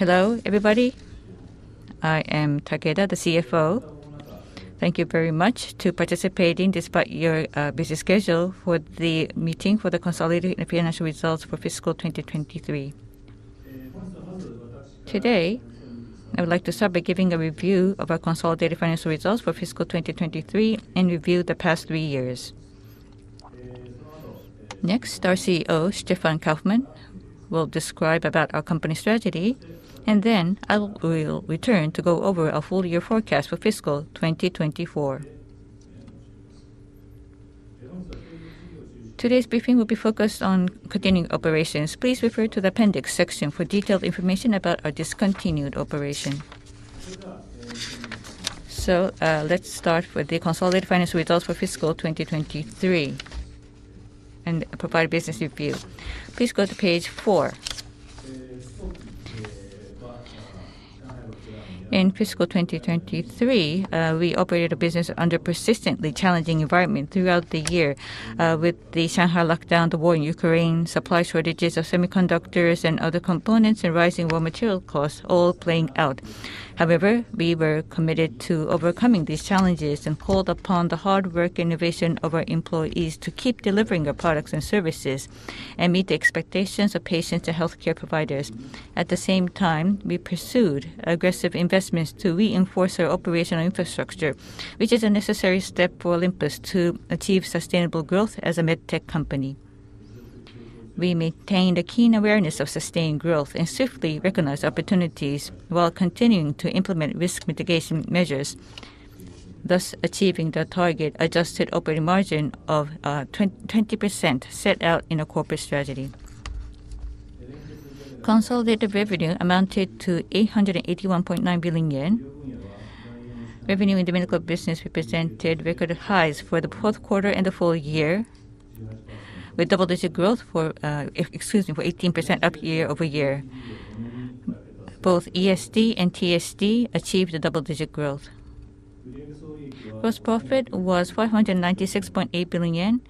Hello, everybody. I am Takeda, the CFO. Thank you very much for participating despite your busy schedule for the meeting for the consolidated financial results for fiscal 2023. Today, I would like to start by giving a review of our consolidated financial results for fiscal 2023 and review the past three years. Next, our CEO, Stefan Kaufmann, will describe our company strategy, and then I will return to go over our full year forecast for fiscal 2024. Today's briefing will be focused on continuing operations. Please refer to the appendix section for detailed information about our discontinued operation. So, let's start with the consolidated financial results for fiscal 2023 and provide business review. Please go to page four. In fiscal 2023, we operated the business under persistently challenging environment throughout the year, with the Shanghai lockdown, the war in Ukraine, supply shortages of semiconductors and other components, and rising raw material costs all playing out. However, we were committed to overcoming these challenges and called upon the hard work and innovation of our employees to keep delivering our products and services and meet the expectations of patients and healthcare providers. At the same time, we pursued aggressive investments to reinforce our operational infrastructure, which is a necessary step for Olympus to achieve sustainable growth as a medtech company. We maintained a keen awareness of sustained growth and swiftly recognized opportunities while continuing to implement risk mitigation measures, thus achieving the target adjusted operating margin of 20% set out in our corporate strategy. Consolidated revenue amounted to 881.9 billion yen. Revenue in the medical business represented record highs for the fourth quarter and the full year, with double-digit growth for 18% up year-over-year. Both ESD and TSD achieved a double-digit growth. Gross profit was 496.8 billion yen,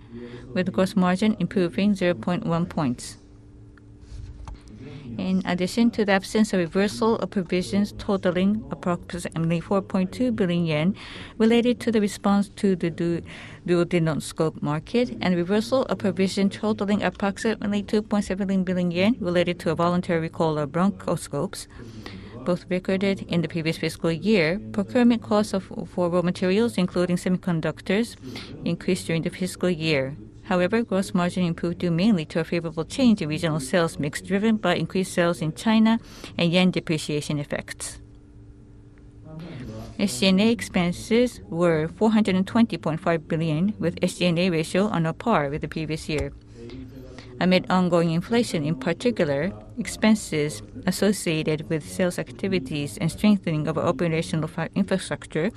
with gross margin improving 0.1 points. In addition to the absence of reversal of provisions totaling approximately 4.2 billion yen related to the response to the duodenoscope market and reversal of provision totaling approximately 2.7 billion yen related to a voluntary recall of bronchoscopes, both recorded in the previous fiscal year. Procurement costs for raw materials, including semiconductors, increased during the fiscal year. However, gross margin improved due mainly to a favorable change in regional sales mix, driven by increased sales in China and yen depreciation effects. SG&A expenses were 420.5 billion, with SG&A ratio on par with the previous year. Amid ongoing inflation, in particular, expenses associated with sales activities and strengthening of our operational infrastructure,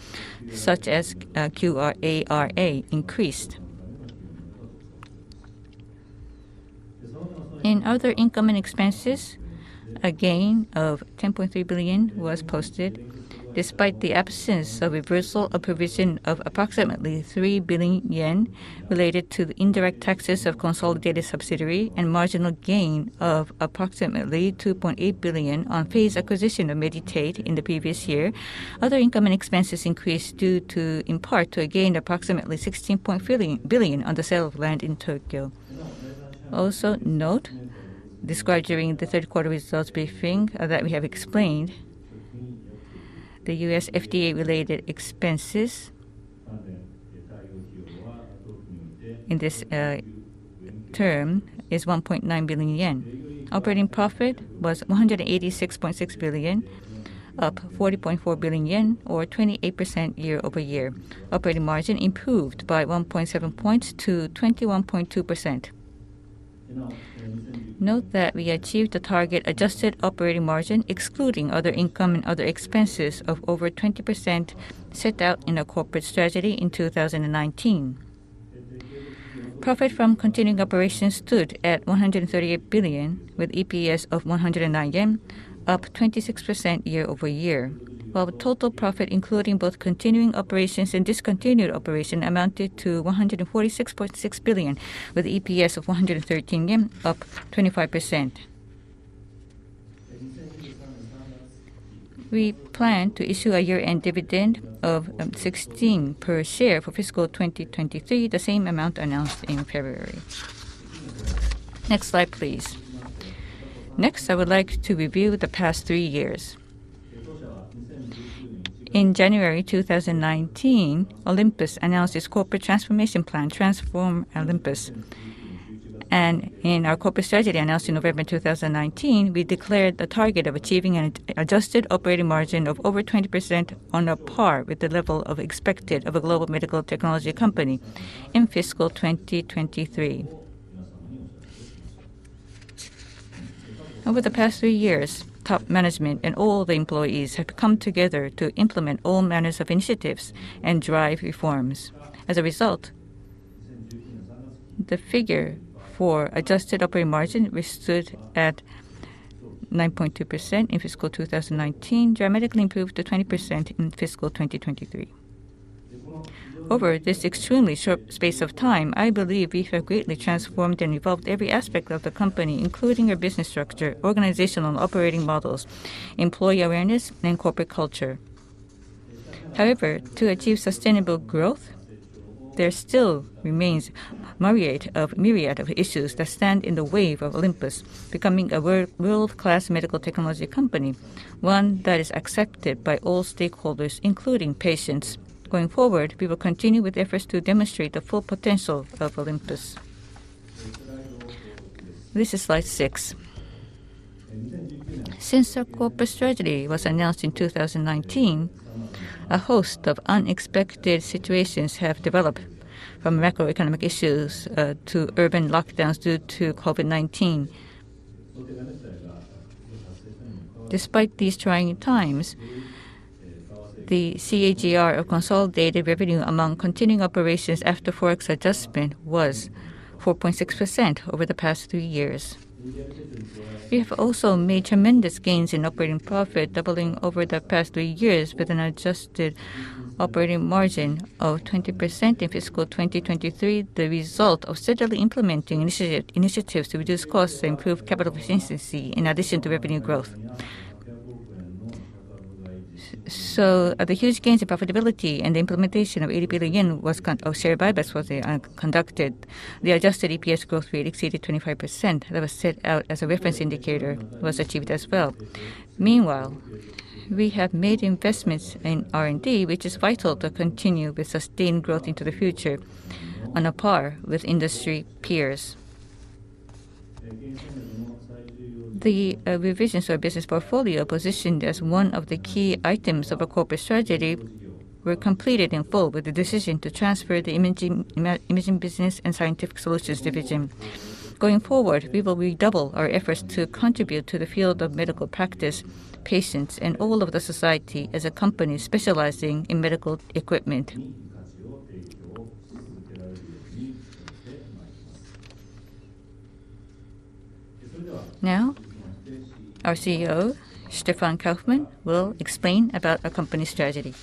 such as QA/RA, increased. In other income and expenses, a gain of 10.3 billion was posted despite the absence of reversal of provision of approximately 3 billion yen related to the indirect taxes of consolidated subsidiary and marginal gain of approximately 2.8 billion on fees acquisition of Medi-Tate in the previous year. Other income and expenses increased due to, in part, to a gain of approximately 16 billion on the sale of land in Tokyo. Also note, described during the third quarter results briefing, that we have explained, the U.S. FDA-related expenses in this, term is 1.9 billion yen. Operating profit was 186.6 billion, up 40.4 billion yen, or 28% year-over-year. Operating margin improved by 1.7 points to 21.2%. Note that we achieved the target adjusted operating margin, excluding other income and other expenses of over 20% set out in our corporate strategy in 2019. Profit from continuing operations stood at 138 billion, with EPS of 109 yen, up 26% year-over-year. While the total profit, including both continuing operations and discontinued operation, amounted to 146.6 billion, with EPS of 113 yen, up 25%. We plan to issue a year-end dividend of 16 per share for fiscal 2023, the same amount announced in February. Next slide, please. Next, I would like to review the past three years. In January 2019, Olympus announced its corporate transformation plan, Transform Olympus. And in our corporate strategy announced in November 2019, we declared the target of achieving an adjusted operating margin of over 20% on par with the level of expected of a global medical technology company in fiscal 2023. Over the past three years, top management and all the employees have come together to implement all manners of initiatives and drive reforms. As a result, the figure for adjusted operating margin, which stood at 9.2% in fiscal 2019, dramatically improved to 20% in fiscal 2023.... Over this extremely short space of time, I believe we have greatly transformed and evolved every aspect of the company, including our business structure, organizational and operating models, employee awareness, and corporate culture. However, to achieve sustainable growth, there still remains myriad of, myriad of issues that stand in the way of Olympus becoming a world, world-class medical technology company, one that is accepted by all stakeholders, including patients. Going forward, we will continue with efforts to demonstrate the full potential of Olympus. This is slide six. Since our corporate strategy was announced in 2019, a host of unexpected situations have developed, from macroeconomic issues, to urban lockdowns due to COVID-19. Despite these trying times, the CAGR of consolidated revenue among continuing operations after Forex adjustment was 4.6% over the past 3 years. We have also made tremendous gains in operating profit, doubling over the past three years with an adjusted operating margin of 20% in fiscal 2023, the result of steadily implementing initiatives to reduce costs and improve capital efficiency in addition to revenue growth. So the huge gains in profitability and the implementation of JPY 80 billion of share buybacks was conducted. The adjusted EPS growth rate exceeded 25%, that was set out as a reference indicator, was achieved as well. Meanwhile, we have made investments in R&D, which is vital to continue with sustained growth into the future on a par with industry peers. The revisions to our business portfolio, positioned as one of the key items of our corporate strategy, were completed in full with the decision to transfer the imaging business and scientific solutions division. Going forward, we will redouble our efforts to contribute to the field of medical practice, patients, and all of the society as a company specializing in medical equipment. Now, our CEO, Stefan Kaufmann, will explain about our company strategy.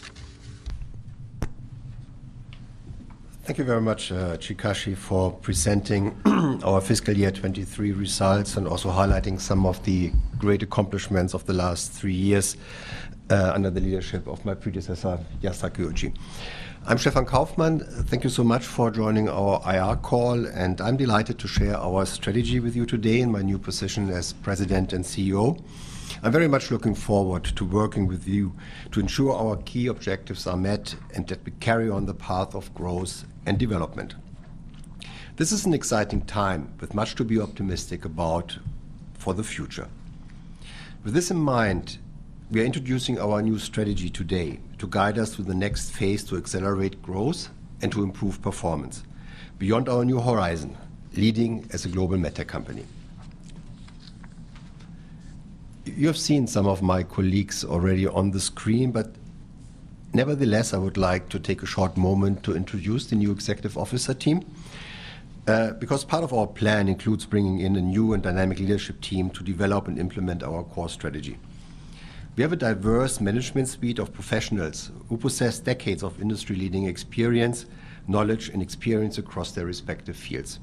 Thank you very much, Chikashi, for presenting our fiscal year 2023 results and also highlighting some of the great accomplishments of the last three years, under the leadership of my predecessor, Yasuaki Oji. I'm Stefan Kaufmann. Thank you so much for joining our IR call, and I'm delighted to share our strategy with you today in my new position as President and CEO. I'm very much looking forward to working with you to ensure our key objectives are met and that we carry on the path of growth and development. This is an exciting time, with much to be optimistic about for the future. With this in mind, we are introducing our new strategy today to guide us through the next phase to accelerate growth and to improve performance beyond our new horizon, leading as a global medtech company. You have seen some of my colleagues already on the screen, but nevertheless, I would like to take a short moment to introduce the new executive officer team, because part of our plan includes bringing in a new and dynamic leadership team to develop and implement our core strategy. We have a diverse management suite of professionals who possess decades of industry leading experience, knowledge, and experience across their respective fields.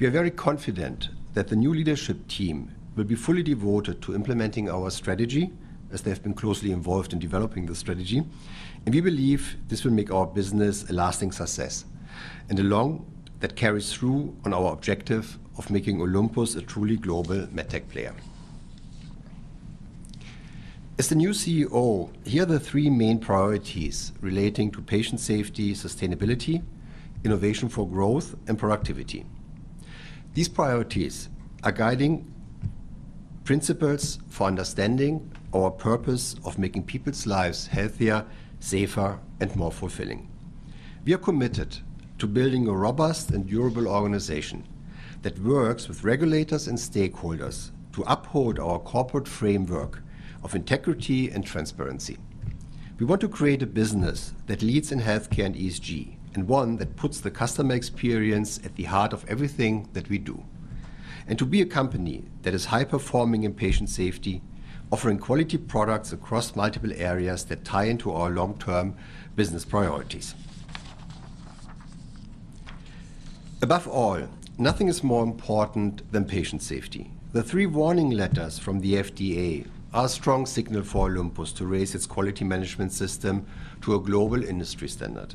We are very confident that the new leadership team will be fully devoted to implementing our strategy, as they have been closely involved in developing the strategy, and we believe this will make our business a lasting success, and along that carries through on our objective of making Olympus a truly global medtech player. As the new CEO, here are the three main priorities relating to patient safety, sustainability, innovation for growth, and productivity. These priorities are guiding principles for understanding our purpose of making people's lives healthier, safer, and more fulfilling. We are committed to building a robust and durable organization that works with regulators and stakeholders to uphold our corporate framework of integrity and transparency. We want to create a business that leads in healthcare and ESG, and one that puts the customer experience at the heart of everything that we do, and to be a company that is high-performing in patient safety, offering quality products across multiple areas that tie into our long-term business priorities. Above all, nothing is more important than patient safety. The three warning letters from the FDA are a strong signal for Olympus to raise its quality management system to a global industry standard.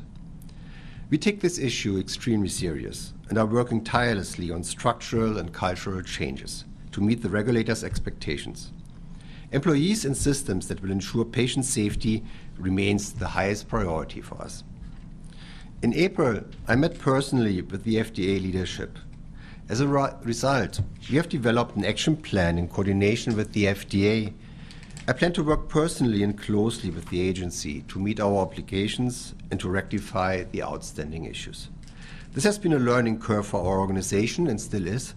We take this issue extremely serious and are working tirelessly on structural and cultural changes to meet the regulators' expectations. Employees and systems that will ensure patient safety remains the highest priority for us. In April, I met personally with the FDA leadership. As a result, we have developed an action plan in coordination with the FDA. I plan to work personally and closely with the agency to meet our obligations and to rectify the outstanding issues. This has been a learning curve for our organization and still is,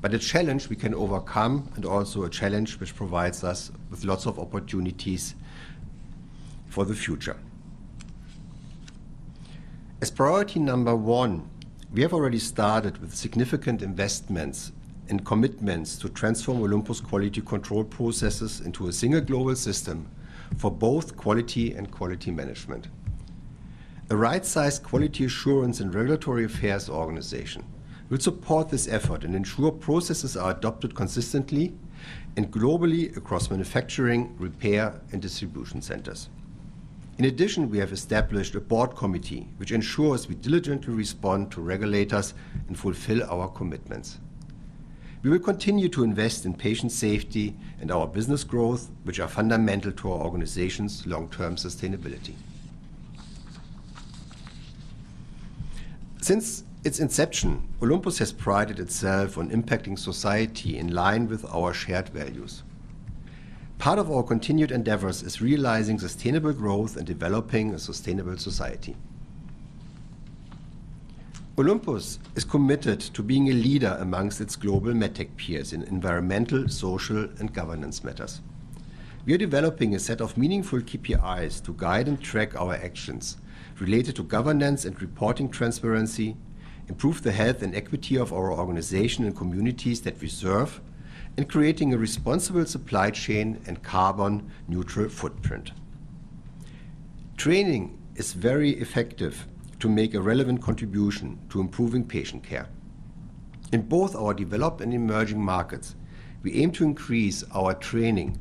but a challenge we can overcome and also a challenge which provides us with lots of opportunities for the future.... As priority number one, we have already started with significant investments and commitments to transform Olympus' quality control processes into a single global system for both quality and quality management. A right-sized quality assurance and regulatory affairs organization will support this effort and ensure processes are adopted consistently and globally across manufacturing, repair, and distribution centers. In addition, we have established a board committee, which ensures we diligently respond to regulators and fulfill our commitments. We will continue to invest in patient safety and our business growth, which are fundamental to our organization's long-term sustainability. Since its inception, Olympus has prided itself on impacting society in line with our shared values. Part of our continued endeavors is realizing sustainable growth and developing a sustainable society. Olympus is committed to being a leader amongst its global MedTech peers in environmental, social, and governance matters. We are developing a set of meaningful KPIs to guide and track our actions related to governance and reporting transparency, improve the health and equity of our organization and communities that we serve, and creating a responsible supply chain and carbon neutral footprint. Training is very effective to make a relevant contribution to improving patient care. In both our developed and emerging markets, we aim to increase our training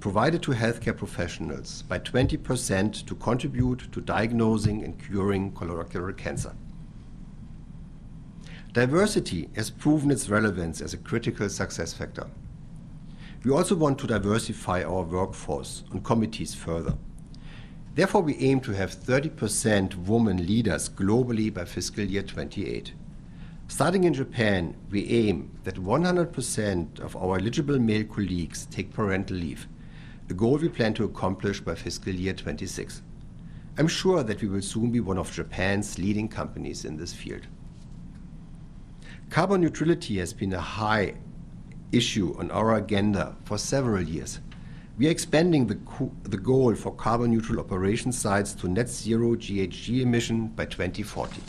provided to healthcare professionals by 20% to contribute to diagnosing and curing colorectal cancer. Diversity has proven its relevance as a critical success factor. We also want to diversify our workforce and committees further. Therefore, we aim to have 30% women leaders globally by fiscal year 2028. Starting in Japan, we aim that 100% of our eligible male colleagues take parental leave, a goal we plan to accomplish by fiscal year 2026. I'm sure that we will soon be one of Japan's leading companies in this field. Carbon neutrality has been a high issue on our agenda for several years. We are expanding the goal for carbon neutral operation sites to net zero GHG emission by 2040.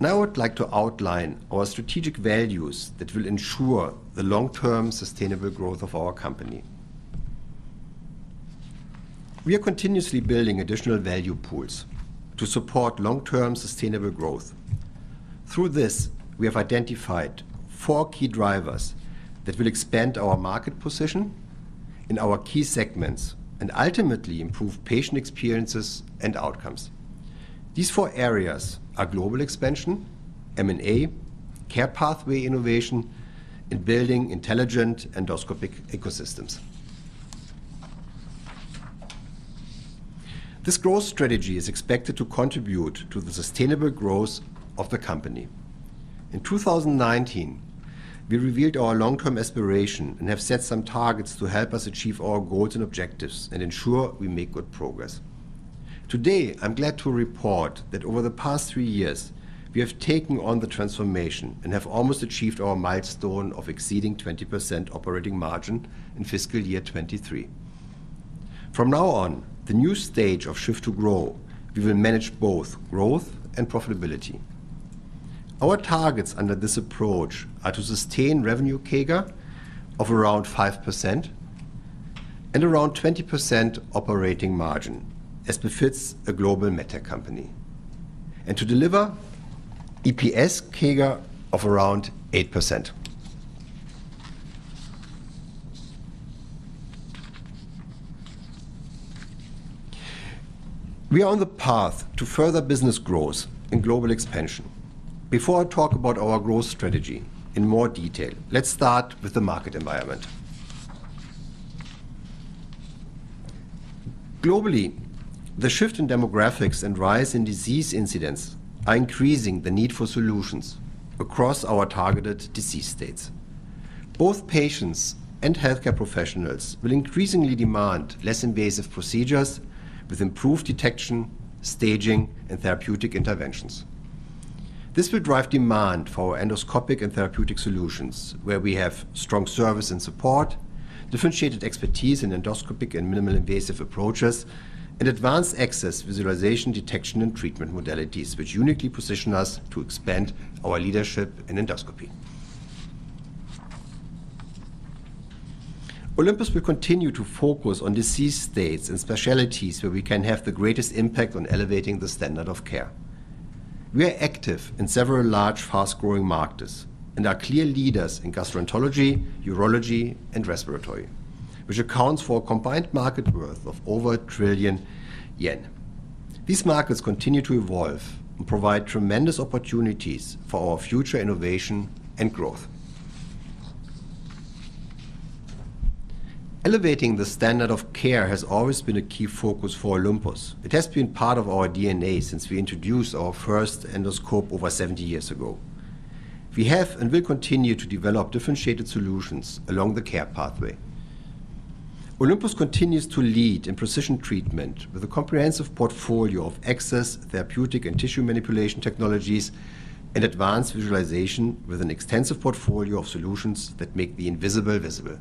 Now, I would like to outline our strategic values that will ensure the long-term sustainable growth of our company. We are continuously building additional value pools to support long-term sustainable growth. Through this, we have identified four key drivers that will expand our market position in our key segments and ultimately improve patient experiences and outcomes. These four areas are global expansion, M&A, care pathway innovation, and building intelligent endoscopic ecosystems. This growth strategy is expected to contribute to the sustainable growth of the company. In 2019, we revealed our long-term aspiration and have set some targets to help us achieve our goals and objectives and ensure we make good progress. Today, I'm glad to report that over the past three years, we have taken on the transformation and have almost achieved our milestone of exceeding 20% operating margin in fiscal year 2023. From now on, the new stage of Shift to Grow, we will manage both growth and profitability. Our targets under this approach are to sustain revenue CAGR of around 5% and around 20% operating margin, as befits a global MedTech company, and to deliver EPS CAGR of around 8%. We are on the path to further business growth and global expansion. Before I talk about our growth strategy in more detail, let's start with the market environment. Globally, the shift in demographics and rise in disease incidents are increasing the need for solutions across our targeted disease states. Both patients and healthcare professionals will increasingly demand less invasive procedures with improved detection, staging, and therapeutic interventions. This will drive demand for endoscopic and therapeutic solutions, where we have strong service and support, differentiated expertise in endoscopic and minimally invasive approaches, and advanced access, visualization, detection, and treatment modalities, which uniquely position us to expand our leadership in endoscopy. Olympus will continue to focus on disease states and specialties where we can have the greatest impact on elevating the standard of care. We are active in several large, fast-growing markets and are clear leaders in gastroenterology, urology, and respiratory, which accounts for a combined market worth of over 1 trillion yen. These markets continue to evolve and provide tremendous opportunities for our future innovation and growth. Elevating the standard of care has always been a key focus for Olympus. It has been part of our DNA since we introduced our first endoscope over 70 years ago. We have and will continue to develop differentiated solutions along the care pathway. Olympus continues to lead in precision treatment with a comprehensive portfolio of access, therapeutic, and tissue manipulation technologies and advanced visualization with an extensive portfolio of solutions that make the invisible visible...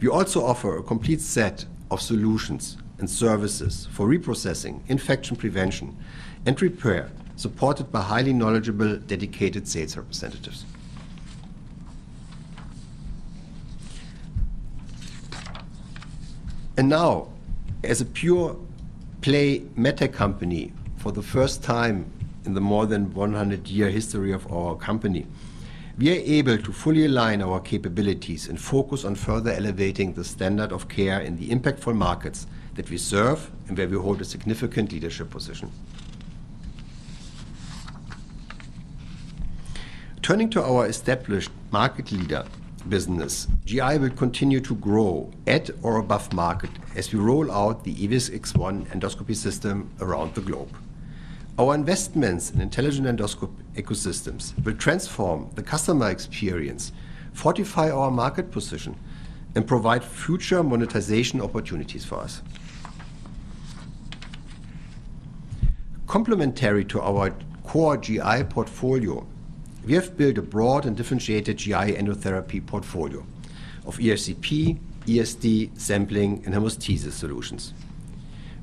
We also offer a complete set of solutions and services for reprocessing, infection prevention, and repair, supported by highly knowledgeable, dedicated sales representatives. Now, as a pure-play medtech company, for the first time in the more than 100-year history of our company, we are able to fully align our capabilities and focus on further elevating the standard of care in the impactful markets that we serve, and where we hold a significant leadership position. Turning to our established market leader business, GI will continue to grow at or above market as we roll out the EVIS X1 endoscopy system around the globe. Our investments in intelligent endoscope ecosystems will transform the customer experience, fortify our market position, and provide future monetization opportunities for us. Complementary to our core GI portfolio, we have built a broad and differentiated GI EndoTherapy portfolio of ERCP, ESD, sampling, and hemostasis solutions.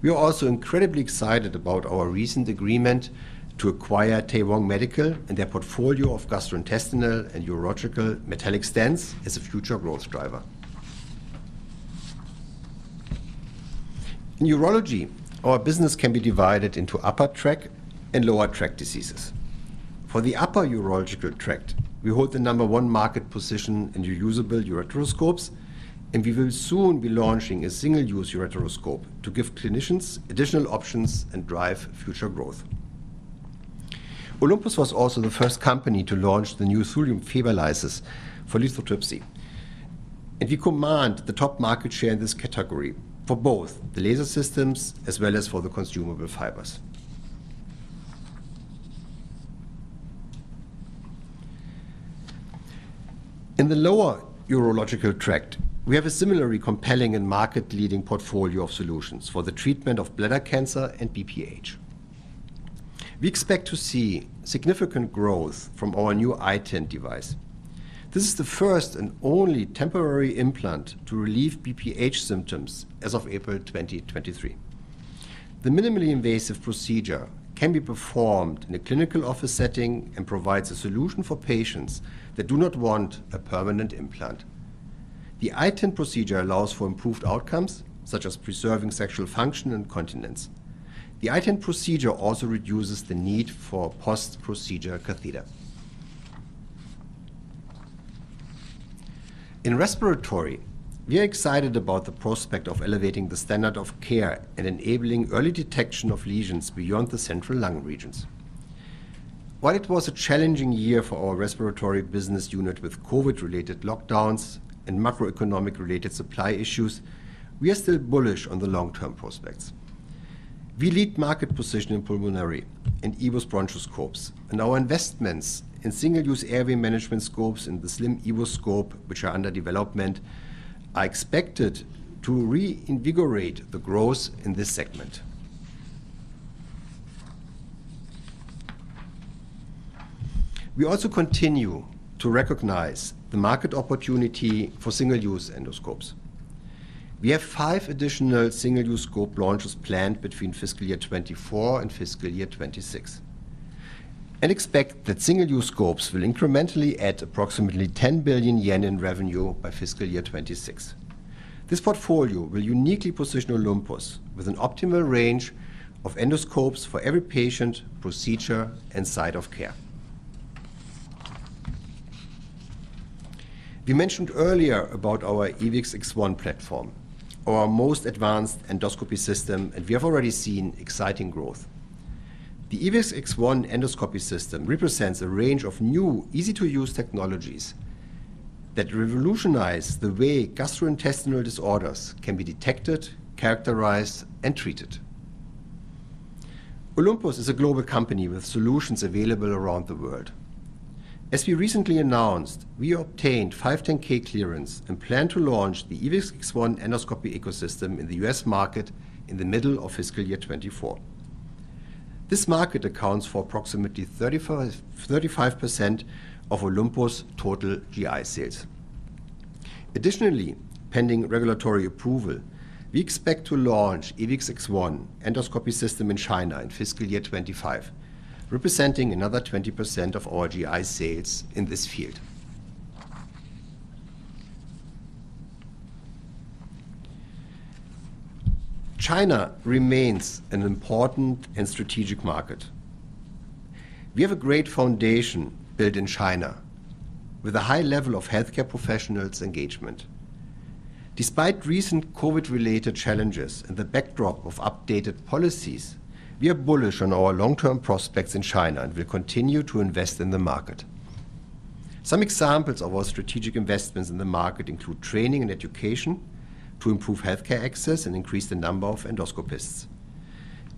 We are also incredibly excited about our recent agreement to acquire Taewoong Medical and their portfolio of gastrointestinal and urological metallic stents as a future growth driver. In urology, our business can be divided into upper tract and lower tract diseases. For the upper urological tract, we hold the number one market position in reusable ureteroscopes, and we will soon be launching a single-use ureteroscope to give clinicians additional options and drive future growth. Olympus was also the first company to launch the new thulium fiber lasers for lithotripsy, and we command the top market share in this category for both the laser systems as well as for the consumable fibers. In the lower urological tract, we have a similarly compelling and market-leading portfolio of solutions for the treatment of bladder cancer and BPH. We expect to see significant growth from our new iTind device. This is the first and only temporary implant to relieve BPH symptoms as of April 2023. The minimally invasive procedure can be performed in a clinical office setting and provides a solution for patients that do not want a permanent implant. The iTind procedure allows for improved outcomes, such as preserving sexual function and continence. The iTind procedure also reduces the need for a post-procedure catheter. In respiratory, we are excited about the prospect of elevating the standard of care and enabling early detection of lesions beyond the central lung regions. While it was a challenging year for our respiratory business unit with COVID-related lockdowns and macroeconomic-related supply issues, we are still bullish on the long-term prospects. We lead market position in pulmonary and EVIS bronchoscopes, and our investments in single-use airway management scopes and the slim EVIS scope, which are under development, are expected to reinvigorate the growth in this segment. We also continue to recognize the market opportunity for single-use endoscopes. We have five additional single-use scope launches planned between fiscal year 2024 and fiscal year 2026, and expect that single-use scopes will incrementally add approximately 10 billion yen in revenue by fiscal year 2026. This portfolio will uniquely position Olympus with an optimal range of endoscopes for every patient, procedure, and site of care. We mentioned earlier about our EVIS X1 platform, our most advanced endoscopy system, and we have already seen exciting growth. The EVIS X1 endoscopy system represents a range of new, easy-to-use technologies that revolutionize the way gastrointestinal disorders can be detected, characterized, and treated. Olympus is a global company with solutions available around the world. As we recently announced, we obtained 510(k) clearance and plan to launch the EVIS X1 endoscopy ecosystem in the U.S. market in the middle of fiscal year 2024. This market accounts for approximately 35, 35% of Olympus' total GI sales. Additionally, pending regulatory approval, we expect to launch EVIS X1 endoscopy system in China in fiscal year 2025, representing another 20% of our GI sales in this field. China remains an important and strategic market. We have a great foundation built in China, with a high level of healthcare professionals' engagement. Despite recent COVID-related challenges and the backdrop of updated policies, we are bullish on our long-term prospects in China and will continue to invest in the market. Some examples of our strategic investments in the market include training and education to improve healthcare access and increase the number of endoscopists.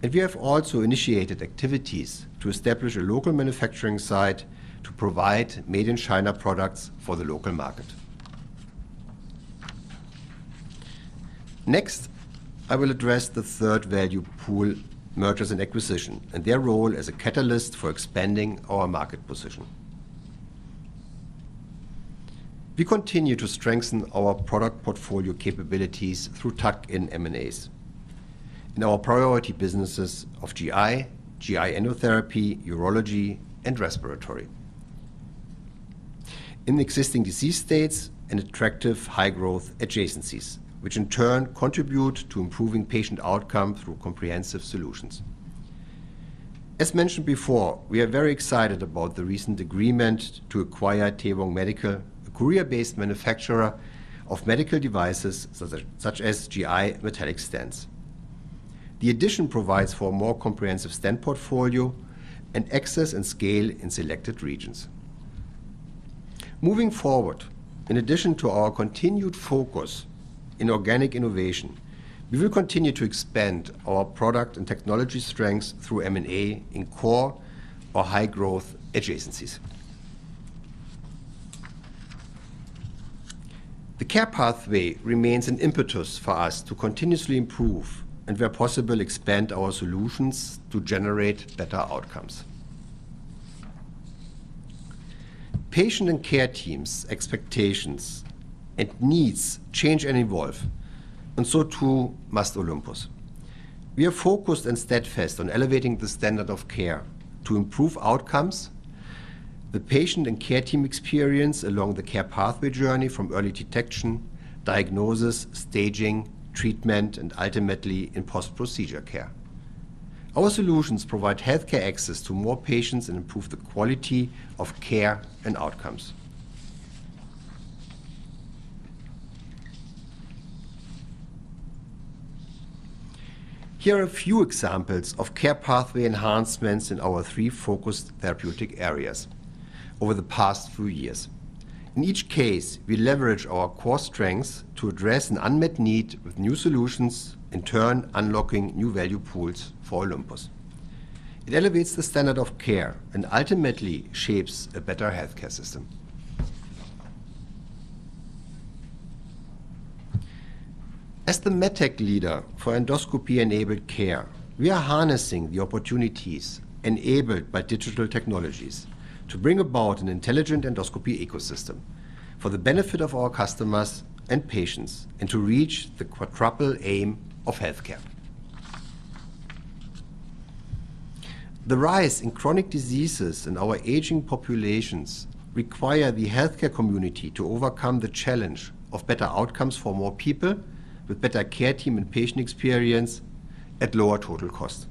We have also initiated activities to establish a local manufacturing site to provide made-in-China products for the local market.... Next, I will address the third value pool, mergers and acquisition, and their role as a catalyst for expanding our market position. We continue to strengthen our product portfolio capabilities through tuck-in M&As in our priority businesses of GI, GI EndoTherapy, urology, and respiratory. In existing disease states and attractive high-growth adjacencies, which in turn contribute to improving patient outcome through comprehensive solutions. As mentioned before, we are very excited about the recent agreement to acquire Taewoong Medical, a Korea-based manufacturer of medical devices, such as GI metallic stents. The addition provides for a more comprehensive stent portfolio and access and scale in selected regions. Moving forward, in addition to our continued focus in organic innovation, we will continue to expand our product and technology strengths through M&A in core or high-growth adjacencies. The care pathway remains an impetus for us to continuously improve and, where possible, expand our solutions to generate better outcomes. Patient and care teams' expectations and needs change and evolve, and so, too, must Olympus. We are focused and steadfast on elevating the standard of care to improve outcomes, the patient and care team experience along the care pathway journey from early detection, diagnosis, staging, treatment, and ultimately, in post-procedure care. Our solutions provide healthcare access to more patients and improve the quality of care and outcomes. Here are a few examples of care pathway enhancements in our three focused therapeutic areas over the past few years. In each case, we leverage our core strengths to address an unmet need with new solutions, in turn, unlocking new value pools for Olympus. It elevates the standard of care and ultimately shapes a better healthcare system. As the medtech leader for endoscopy-enabled care, we are harnessing the opportunities enabled by digital technologies to bring about an intelligent endoscopy ecosystem for the benefit of our customers and patients, and to reach the quadruple aim of healthcare. The rise in chronic diseases in our aging populations require the healthcare community to overcome the challenge of better outcomes for more people, with better care team and patient experience at lower total cost.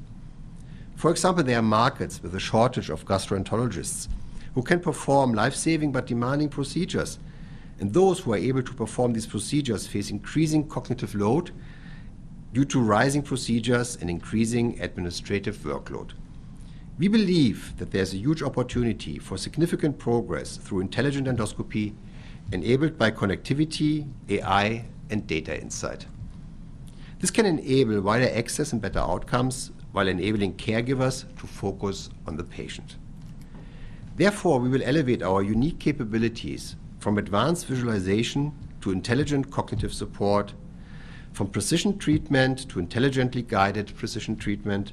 For example, there are markets with a shortage of gastroenterologists who can perform life-saving but demanding procedures, and those who are able to perform these procedures face increasing cognitive load due to rising procedures and increasing administrative workload. We believe that there's a huge opportunity for significant progress through intelligent endoscopy enabled by connectivity, AI, and data insight. This can enable wider access and better outcomes while enabling caregivers to focus on the patient. Therefore, we will elevate our unique capabilities from advanced visualization to intelligent cognitive support, from precision treatment to intelligently guided precision treatment,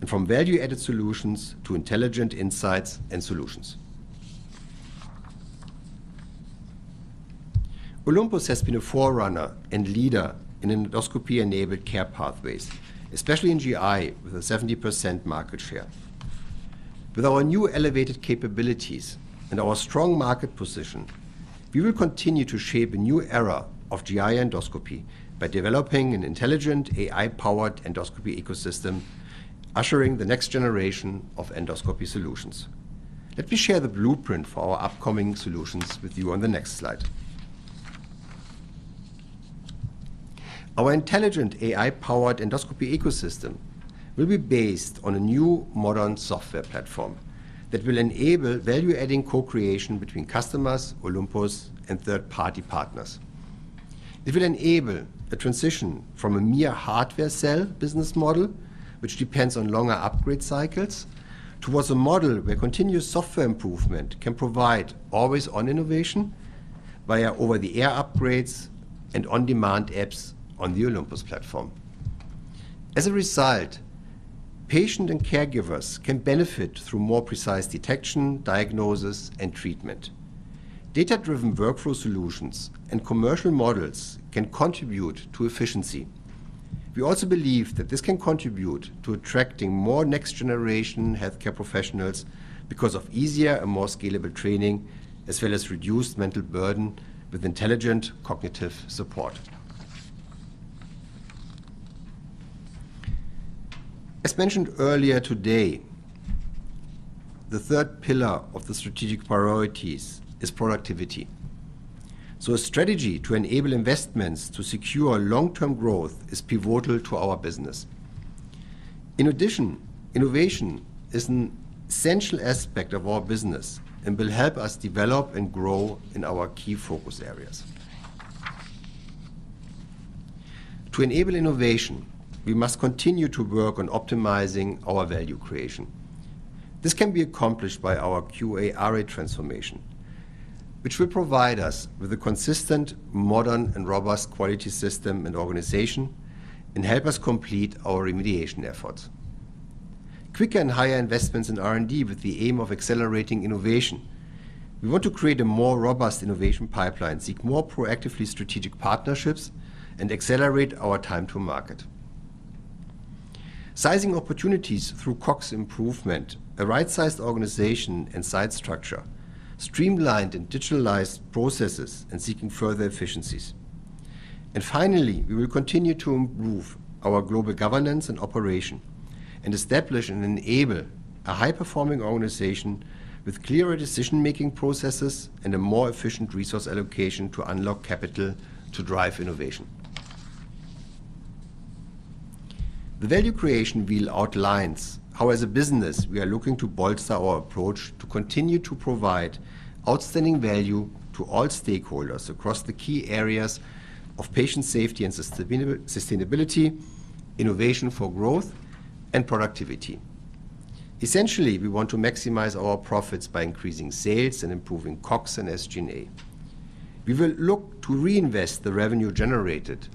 and from value-added solutions to intelligent insights and solutions. Olympus has been a forerunner and leader in endoscopy-enabled care pathways, especially in GI, with a 70% market share. With our new elevated capabilities and our strong market position, we will continue to shape a new era of GI endoscopy by developing an intelligent AI-powered endoscopy ecosystem, ushering the next generation of endoscopy solutions. Let me share the blueprint for our upcoming solutions with you on the next slide. Our intelligent AI-powered endoscopy ecosystem will be based on a new modern software platform that will enable value-adding co-creation between customers, Olympus, and third-party partners. It will enable a transition from a mere hardware sale business model, which depends on longer upgrade cycles, towards a model where continuous software improvement can provide always-on innovation via over-the-air upgrades and on-demand apps on the Olympus platform. As a result, patient and caregivers can benefit through more precise detection, diagnosis, and treatment. Data-driven workflow solutions and commercial models can contribute to efficiency. We also believe that this can contribute to attracting more next-generation healthcare professionals because of easier and more scalable training, as well as reduced mental burden with intelligent cognitive support. As mentioned earlier today, the third pillar of the strategic priorities is productivity. So a strategy to enable investments to secure long-term growth is pivotal to our business. In addition, innovation is an essential aspect of our business and will help us develop and grow in our key focus areas. To enable innovation, we must continue to work on optimizing our value creation. This can be accomplished by our QA/RA transformation, which will provide us with a consistent, modern, and robust quality system and organization, and help us complete our remediation efforts. Quicker and higher investments in R&D with the aim of accelerating innovation. We want to create a more robust innovation pipeline, seek more proactively strategic partnerships, and accelerate our time to market. Sizing opportunities through COGS improvement, a right-sized organization and site structure, streamlined and digitalized processes, and seeking further efficiencies. And finally, we will continue to improve our global governance and operation, and establish and enable a high-performing organization with clearer decision-making processes and a more efficient resource allocation to unlock capital to drive innovation. The value creation wheel outlines how, as a business, we are looking to bolster our approach to continue to provide outstanding value to all stakeholders across the key areas of patient safety and sustainability, innovation for growth, and productivity. Essentially, we want to maximize our profits by increasing sales and improving COGS and SG&A. We will look to reinvest the revenue generated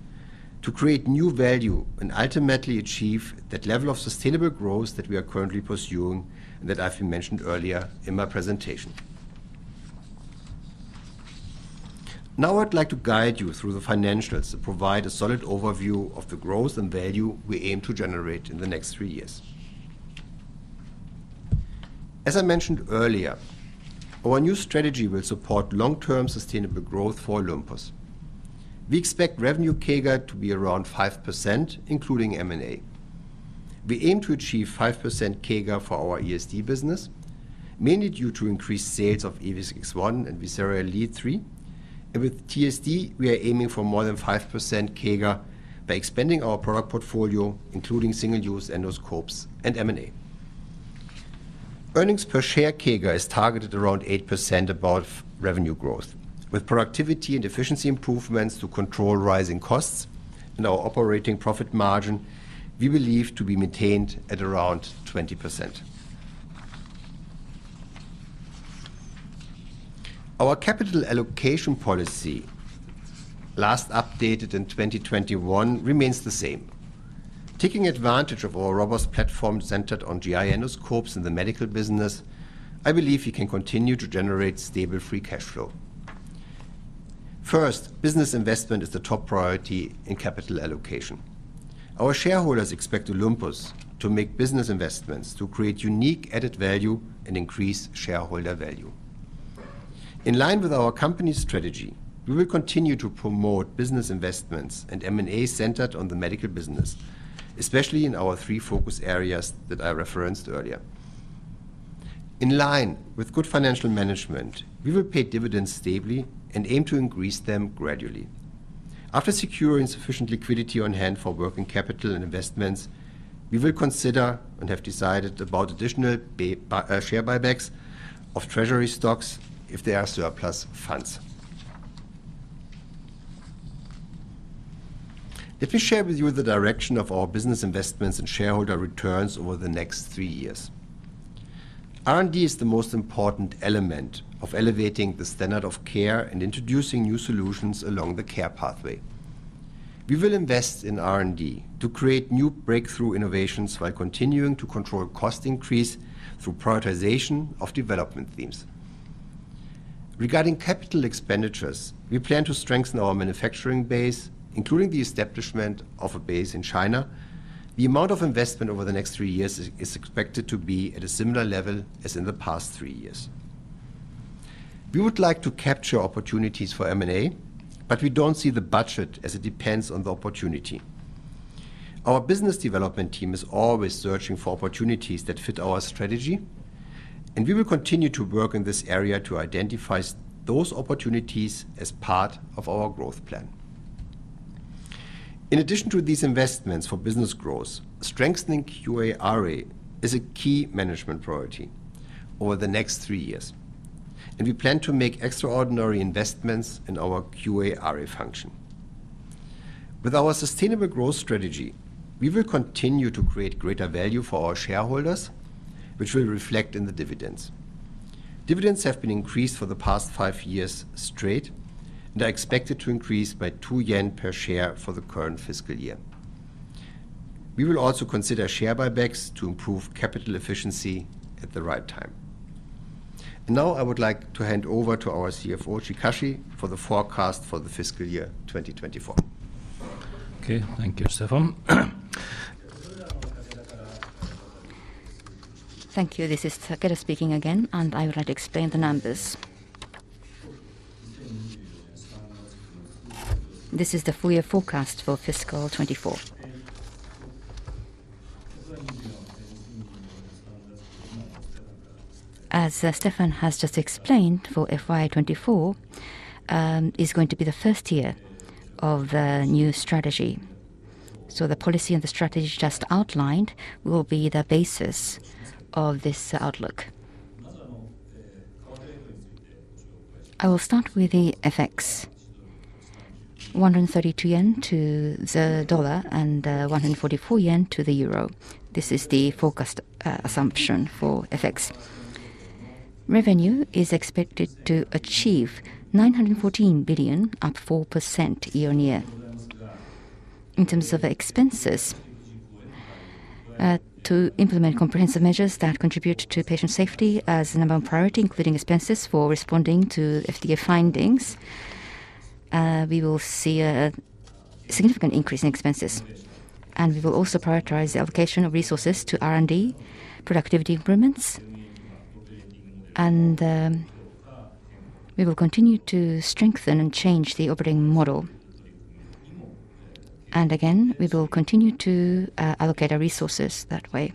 to create new value and ultimately achieve that level of sustainable growth that we are currently pursuing, and that I've mentioned earlier in my presentation. Now, I'd like to guide you through the financials to provide a solid overview of the growth and value we aim to generate in the next three years. As I mentioned earlier, our new strategy will support long-term sustainable growth for Olympus. We expect revenue CAGR to be around 5%, including M&A. We aim to achieve 5% CAGR for our ESD business, mainly due to increased sales of EVIS X1 and VISERA ELITE III. With TSD, we are aiming for more than 5% CAGR by expanding our product portfolio, including single-use endoscopes and M&A. Earnings per share CAGR is targeted around 8% above revenue growth, with productivity and efficiency improvements to control rising costs. Our operating profit margin, we believe to be maintained at around 20%. Our capital allocation policy, last updated in 2021, remains the same. Taking advantage of our robust platform centered on GI endoscopes in the medical business, I believe we can continue to generate stable free cash flow. First, business investment is the top priority in capital allocation. Our shareholders expect Olympus to make business investments to create unique added value and increase shareholder value. In line with our company's strategy, we will continue to promote business investments and M&A centered on the medical business, especially in our three focus areas that I referenced earlier. In line with good financial management, we will pay dividends stably and aim to increase them gradually. After securing sufficient liquidity on hand for working capital and investments, we will consider and have decided about additional share buybacks of treasury stocks if there are surplus funds. Let me share with you the direction of our business investments and shareholder returns over the next three years. R&D is the most important element of elevating the standard of care and introducing new solutions along the care pathway. We will invest in R&D to create new breakthrough innovations while continuing to control cost increase through prioritization of development themes. Regarding capital expenditures, we plan to strengthen our manufacturing base, including the establishment of a base in China. The amount of investment over the next three years is expected to be at a similar level as in the past three years. We would like to capture opportunities for M&A, but we don't see the budget as it depends on the opportunity. Our business development team is always searching for opportunities that fit our strategy, and we will continue to work in this area to identify those opportunities as part of our growth plan. In addition to these investments for business growth, strengthening QA/RA is a key management priority over the next three years, and we plan to make extraordinary investments in our QA/RA function. With our sustainable growth strategy, we will continue to create greater value for our shareholders, which will reflect in the dividends. Dividends have been increased for the past five years straight and are expected to increase by 2 yen per share for the current fiscal year. We will also consider share buybacks to improve capital efficiency at the right time. Now, I would like to hand over to our CFO, Chikashi, for the forecast for the fiscal year 2024. Okay, thank you, Stefan. Thank you. This is Takeda speaking again, and I will explain the numbers. This is the full year forecast for fiscal 2024. As Stefan has just explained, for FY 2024, is going to be the first year of the new strategy. So the policy and the strategy just outlined will be the basis of this outlook. I will start with the FX. 132 yen to the dollar and, one hundred and forty-four yen to the euro. This is the forecast assumption for FX. Revenue is expected to achieve 914 billion, up 4% year-on-year. In terms of expenses, to implement comprehensive measures that contribute to patient safety as the number one priority, including expenses for responding to FDA findings, we will see a significant increase in expenses. We will also prioritize the allocation of resources to R&D, productivity improvements, and we will continue to strengthen and change the operating model. Again, we will continue to allocate our resources that way.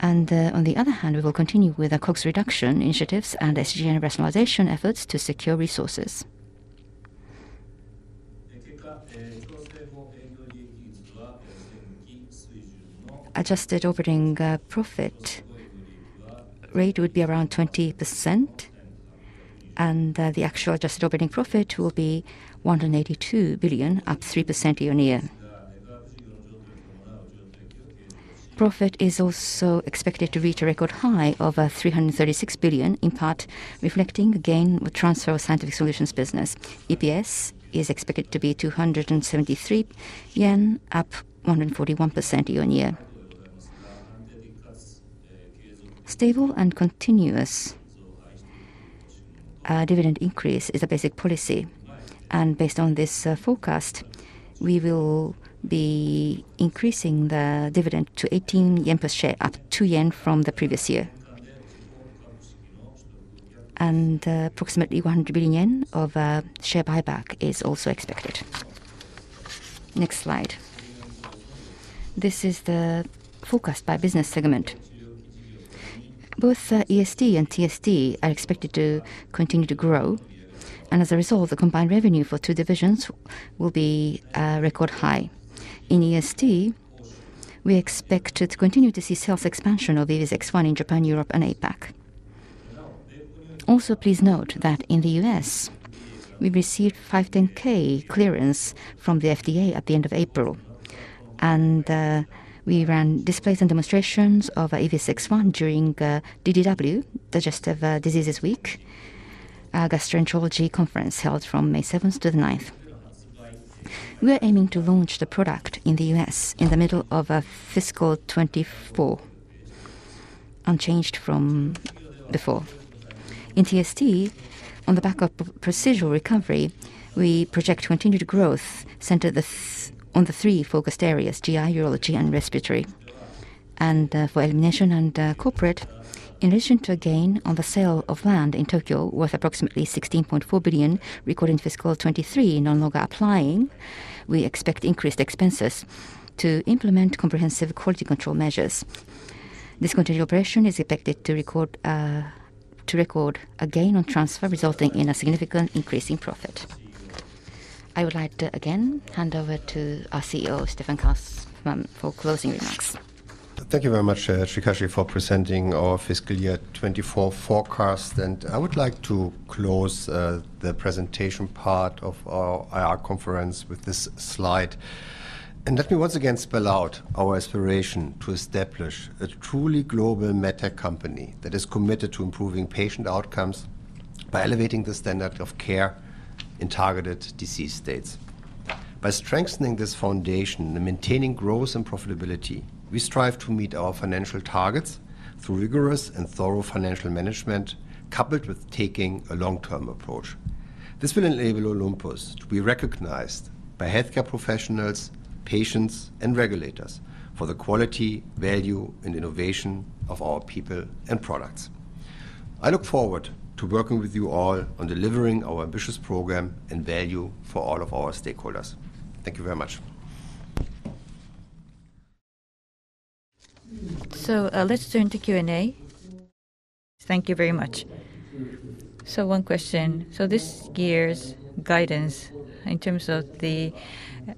On the other hand, we will continue with our cost reduction initiatives and SG&A rationalization efforts to secure resources. Adjusted operating profit rate would be around 20%, and the actual adjusted operating profit will be 182 billion, up 3% year-on-year. Profit is also expected to reach a record high of 336 billion, in part reflecting a gain with transfer of Scientific Solutions business. EPS is expected to be 273 yen, up 141% year-on-year. Stable and continuous dividend increase is a basic policy, and based on this forecast, we will be increasing the dividend to 18 yen per share, up 2 yen from the previous year. Approximately 100 billion yen of share buyback is also expected. Next slide. This is the forecast by business segment. Both ESD and TSD are expected to continue to grow, and as a result, the combined revenue for two divisions will be record high. In ESD, we expect to continue to see sales expansion of EVIS X1 in Japan, Europe, and APAC. Also, please note that in the U.S., we received 510(k) clearance from the FDA at the end of April. We ran displays and demonstrations of EVIS X1 during DDW (Digestive Disease Week) gastroenterology conference held from May 7th to the 9th. We are aiming to launch the product in the U.S. in the middle of fiscal 2024, unchanged from before. In TSD, on the back of procedural recovery, we project continued growth centered on the three focused areas: GI, urology, and respiratory. And for elimination and corporate, in addition to a gain on the sale of land in Tokyo, worth approximately 16.4 billion, recorded in fiscal 2023, no longer applying, we expect increased expenses to implement comprehensive quality control measures. This continued operation is expected to record a gain on transfer, resulting in a significant increase in profit. I would like to, again, hand over to our CEO, Stefan Kaufmann, for closing remarks. Thank you very much, Chikashi, for presenting our fiscal year 2024 forecast. I would like to close the presentation part of our IR conference with this slide. Let me once again spell out our aspiration to establish a truly global medtech company that is committed to improving patient outcomes by elevating the standard of care in targeted disease states. By strengthening this foundation and maintaining growth and profitability, we strive to meet our financial targets through rigorous and thorough financial management, coupled with taking a long-term approach. This will enable Olympus to be recognized by healthcare professionals, patients, and regulators for the quality, value, and innovation of our people and products. I look forward to working with you all on delivering our ambitious program and value for all of our stakeholders. Thank you very much. So, let's turn to Q&A. Thank you very much. So one question: so this year's guidance in terms of the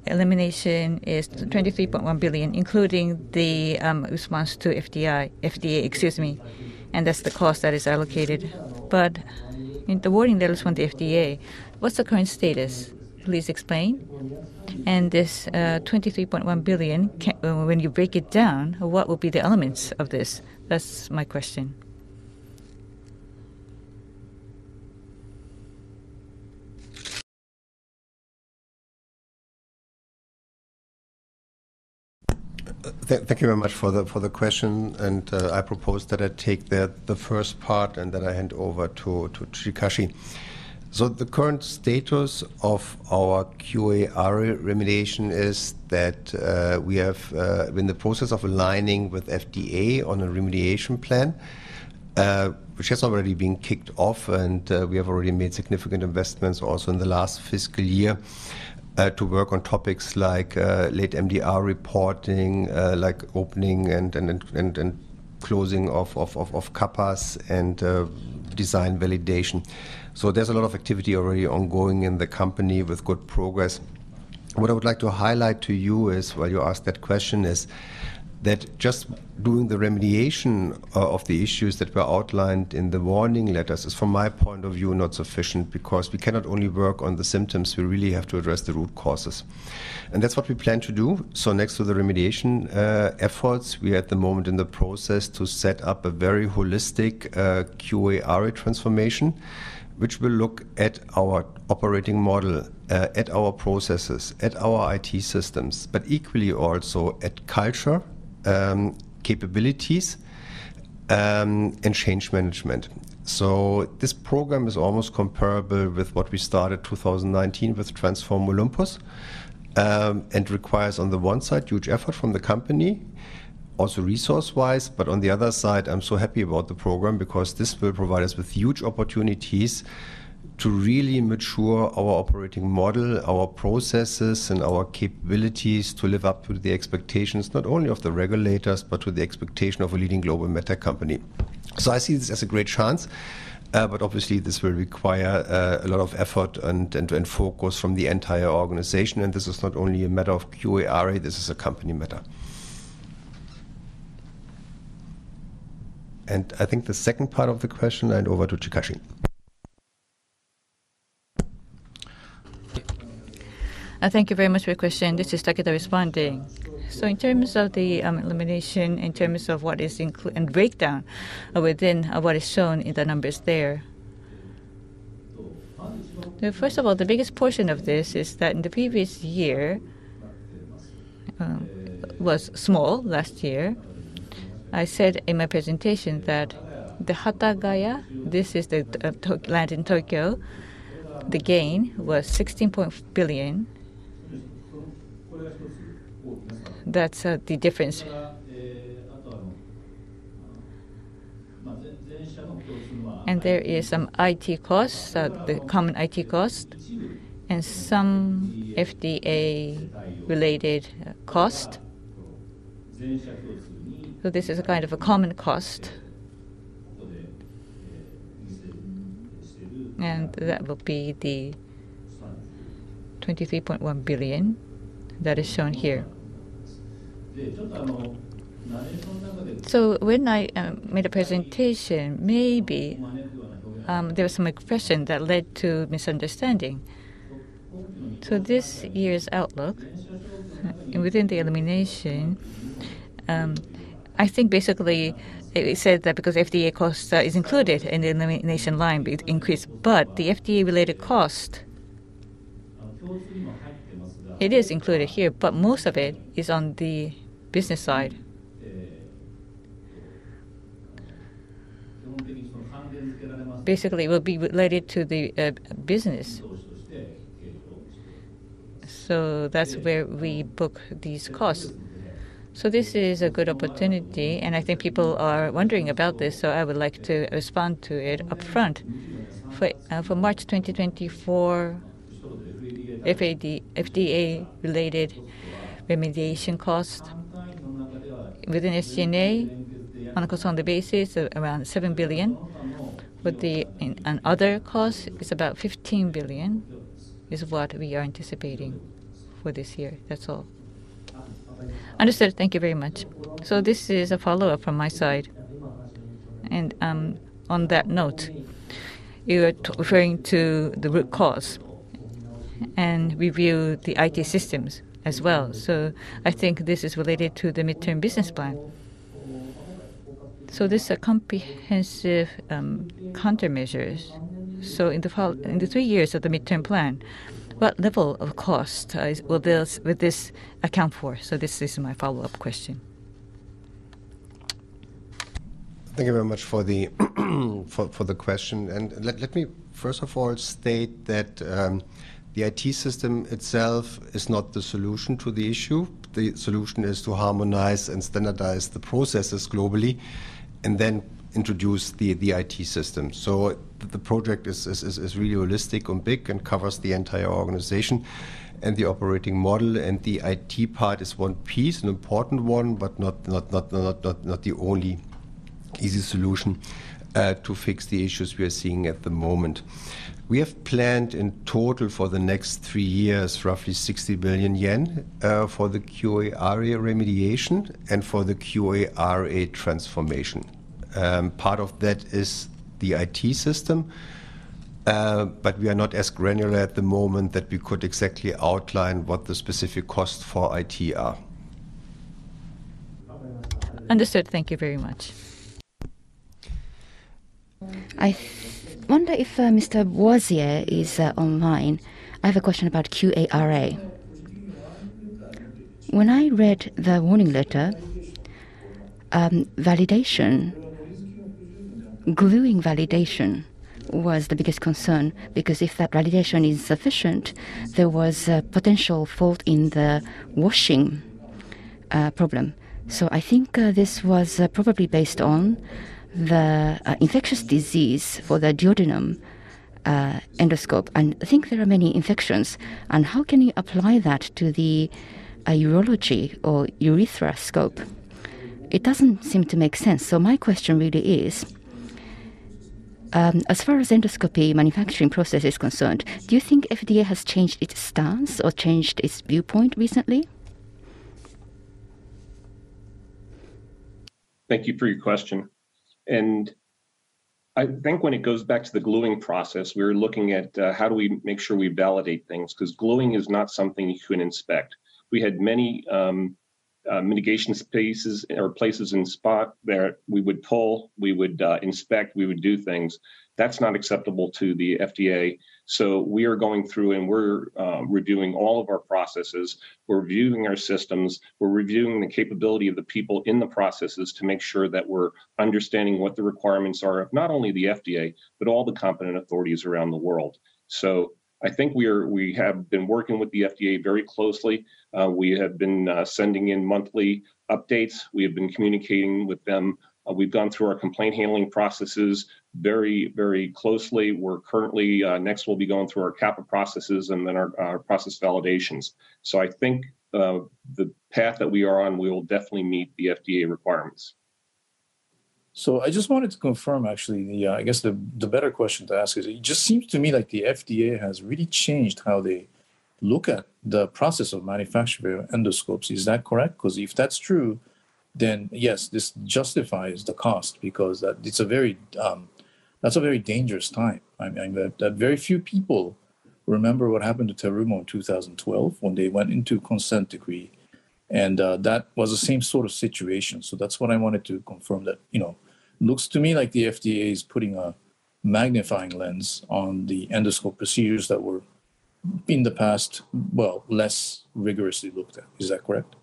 elimination is 23.1 billion, including the response to FDI... FDA, excuse me, and that's the cost that is allocated. But in the warning letters from the FDA, what's the current status? Please explain. And this 23.1 billion, when you break it down, what will be the elements of this? That's my question. Thank you very much for the question, and I propose that I take the first part, and then I hand over to Chikashi. So the current status of our QA/RA remediation is that we have been in the process of aligning with FDA on a remediation plan, which has already been kicked off, and we have already made significant investments also in the last fiscal year to work on topics like late MDR reporting, like opening and closing of CAPAs and design validation. So there's a lot of activity already ongoing in the company with good progress. What I would like to highlight to you is, while you ask that question, is that just doing the remediation of the issues that were outlined in the warning letters is, from my point of view, not sufficient, because we cannot only work on the symptoms, we really have to address the root causes. And that's what we plan to do. So next to the remediation efforts, we are at the moment in the process to set up a very holistic QA/RA transformation, which will look at our operating model at our processes, at our IT systems, but equally also at culture, capabilities, and change management. So this program is almost comparable with what we started 2019 with Transform Olympus, and requires, on the one side, huge effort from the company, also resource-wise. On the other side, I'm so happy about the program because this will provide us with huge opportunities to really mature our operating model, our processes, and our capabilities to live up to the expectations, not only of the regulators, but to the expectation of a leading global medtech company. So I see this as a great chance, but obviously, this will require a lot of effort and focus from the entire organization, and this is not only a matter of QA/RA, this is a company matter. And I think the second part of the question, hand over to Chikashi. Thank you very much for your question. This is Takeda responding. So in terms of the elimination, in terms of what is included and breakdown within what is shown in the numbers there. First of all, the biggest portion of this is that in the previous year was small last year. I said in my presentation that the Hatagaya, this is the Tokyo land in Tokyo, the gain was JPY 16 billion. That's the difference. And there is some IT costs, the common IT cost and some FDA-related cost. So this is a kind of a common cost. And that would be the 23.1 billion that is shown here. So when I made a presentation, maybe there was some expression that led to misunderstanding. So this year's outlook, and within the elimination, I think basically it said that because FDA cost is included in the elimination line, but it increased. But the FDA-related cost, it is included here, but most of it is on the business side. Basically, it will be related to the business. So that's where we book these costs. So this is a good opportunity, and I think people are wondering about this, so I would like to respond to it upfront. For March 2024, FDA-related remediation cost within SG&A, on a cost basis of around 7 billion, and other costs, is about 15 billion, is what we are anticipating for this year. That's all. Understood. Thank you very much. So this is a follow-up from my side. On that note, you're referring to the root cause and review the IT systems as well. I think this is related to the midterm business plan. This comprehensive countermeasures. In the three years of the midterm plan, what level of cost will this account for? This is my follow-up question. Thank you very much for the question. Let me first of all state that the IT system itself is not the solution to the issue. The solution is to harmonize and standardize the processes globally and then introduce the IT system. So the project is really realistic and big and covers the entire organization and the operating model, and the IT part is one piece, an important one, but not the only easy solution to fix the issues we are seeing at the moment. We have planned in total for the next three years, roughly 60 billion yen, for the QA area remediation and for the QA/RA transformation. Part of that is the IT system, but we are not as granular at the moment that we could exactly outline what the specific costs for IT are. Understood. Thank you very much. I wonder if Mr. Boisier is online. I have a question about QA/RA. When I read the warning letter, validation, gluing validation was the biggest concern because if that validation is sufficient, there was a potential fault in the washing problem. So I think this was probably based on the infectious disease for the duodenum endoscope, and I think there are many infections. And how can you apply that to the urology or urethra scope? It doesn't seem to make sense. So my question really is, as far as endoscopy manufacturing process is concerned, do you think FDA has changed its stance or changed its viewpoint recently? Thank you for your question. I think when it goes back to the gluing process, we were looking at how do we make sure we validate things? 'Cause gluing is not something you can inspect. We had many mitigation spaces or places in spot where we would pull, we would inspect, we would do things. That's not acceptable to the FDA, so we are going through and we're reviewing all of our processes. We're reviewing our systems, we're reviewing the capability of the people in the processes to make sure that we're understanding what the requirements are of not only the FDA, but all the competent authorities around the world. So I think we have been working with the FDA very closely. We have been sending in monthly updates. We have been communicating with them. We've gone through our complaint handling processes very, very closely. We're currently, next, we'll be going through our CAPA processes and then our process validations. So I think, the path that we are on, we will definitely meet the FDA requirements. So I just wanted to confirm, actually, yeah, I guess the better question to ask is, it just seems to me like the FDA has really changed how they look at the process of manufacturing endoscopes. Is that correct? 'Cause if that's true, then, yes, this justifies the cost because that—it's a very, that's a very dangerous time. Very few people remember what happened to Terumo in 2012 when they went into consent decree, and that was the same sort of situation. So that's what I wanted to confirm that, you know. It looks to me like the FDA is putting a magnifying lens on the endoscope procedures that were, in the past, well, less rigorously looked at. Is that correct?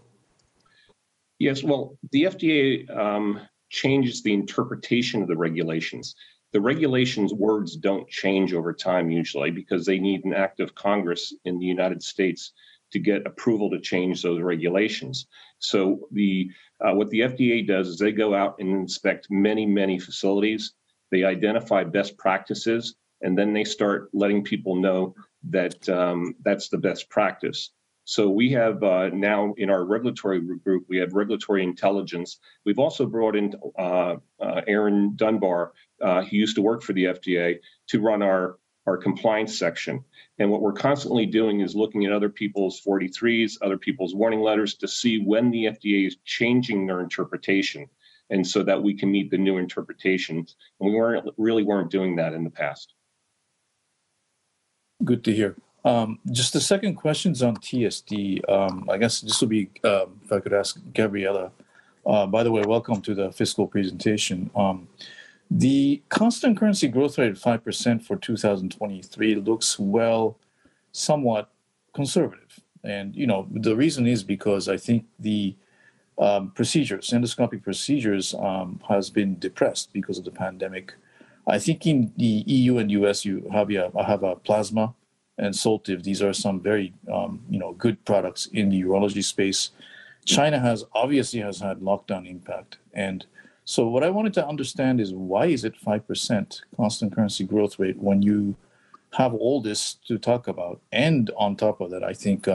Yes. Well, the FDA changes the interpretation of the regulations. The regulations words don't change over time usually because they need an act of Congress in the United States to get approval to change those regulations. So what the FDA does is they go out and inspect many, many facilities, they identify best practices, and then they start letting people know that that's the best practice. So we have now, in our regulatory group, we have regulatory intelligence. We've also brought in Aaron Dunbar, he used to work for the FDA, to run our compliance section. And what we're constantly doing is looking at other people's 483s, other people's warning letters to see when the FDA is changing their interpretation, and so that we can meet the new interpretations, and we weren't, really weren't doing that in the past. Good to hear. Just the second question's on TSD. I guess this will be if I could ask Gabriela. By the way, welcome to the fiscal presentation. The constant currency growth rate of 5% for 2023 looks well, somewhat conservative. And, you know, the reason is because I think the procedures, endoscopic procedures, has been depressed because of the pandemic. I think in the EU and U.S., you have a PlasmaButton and Soltive. These are some very, you know, good products in the urology space. China has obviously has had lockdown impact. And so what I wanted to understand is why is it 5% constant currency growth rate when you have all this to talk about? On top of that, I think,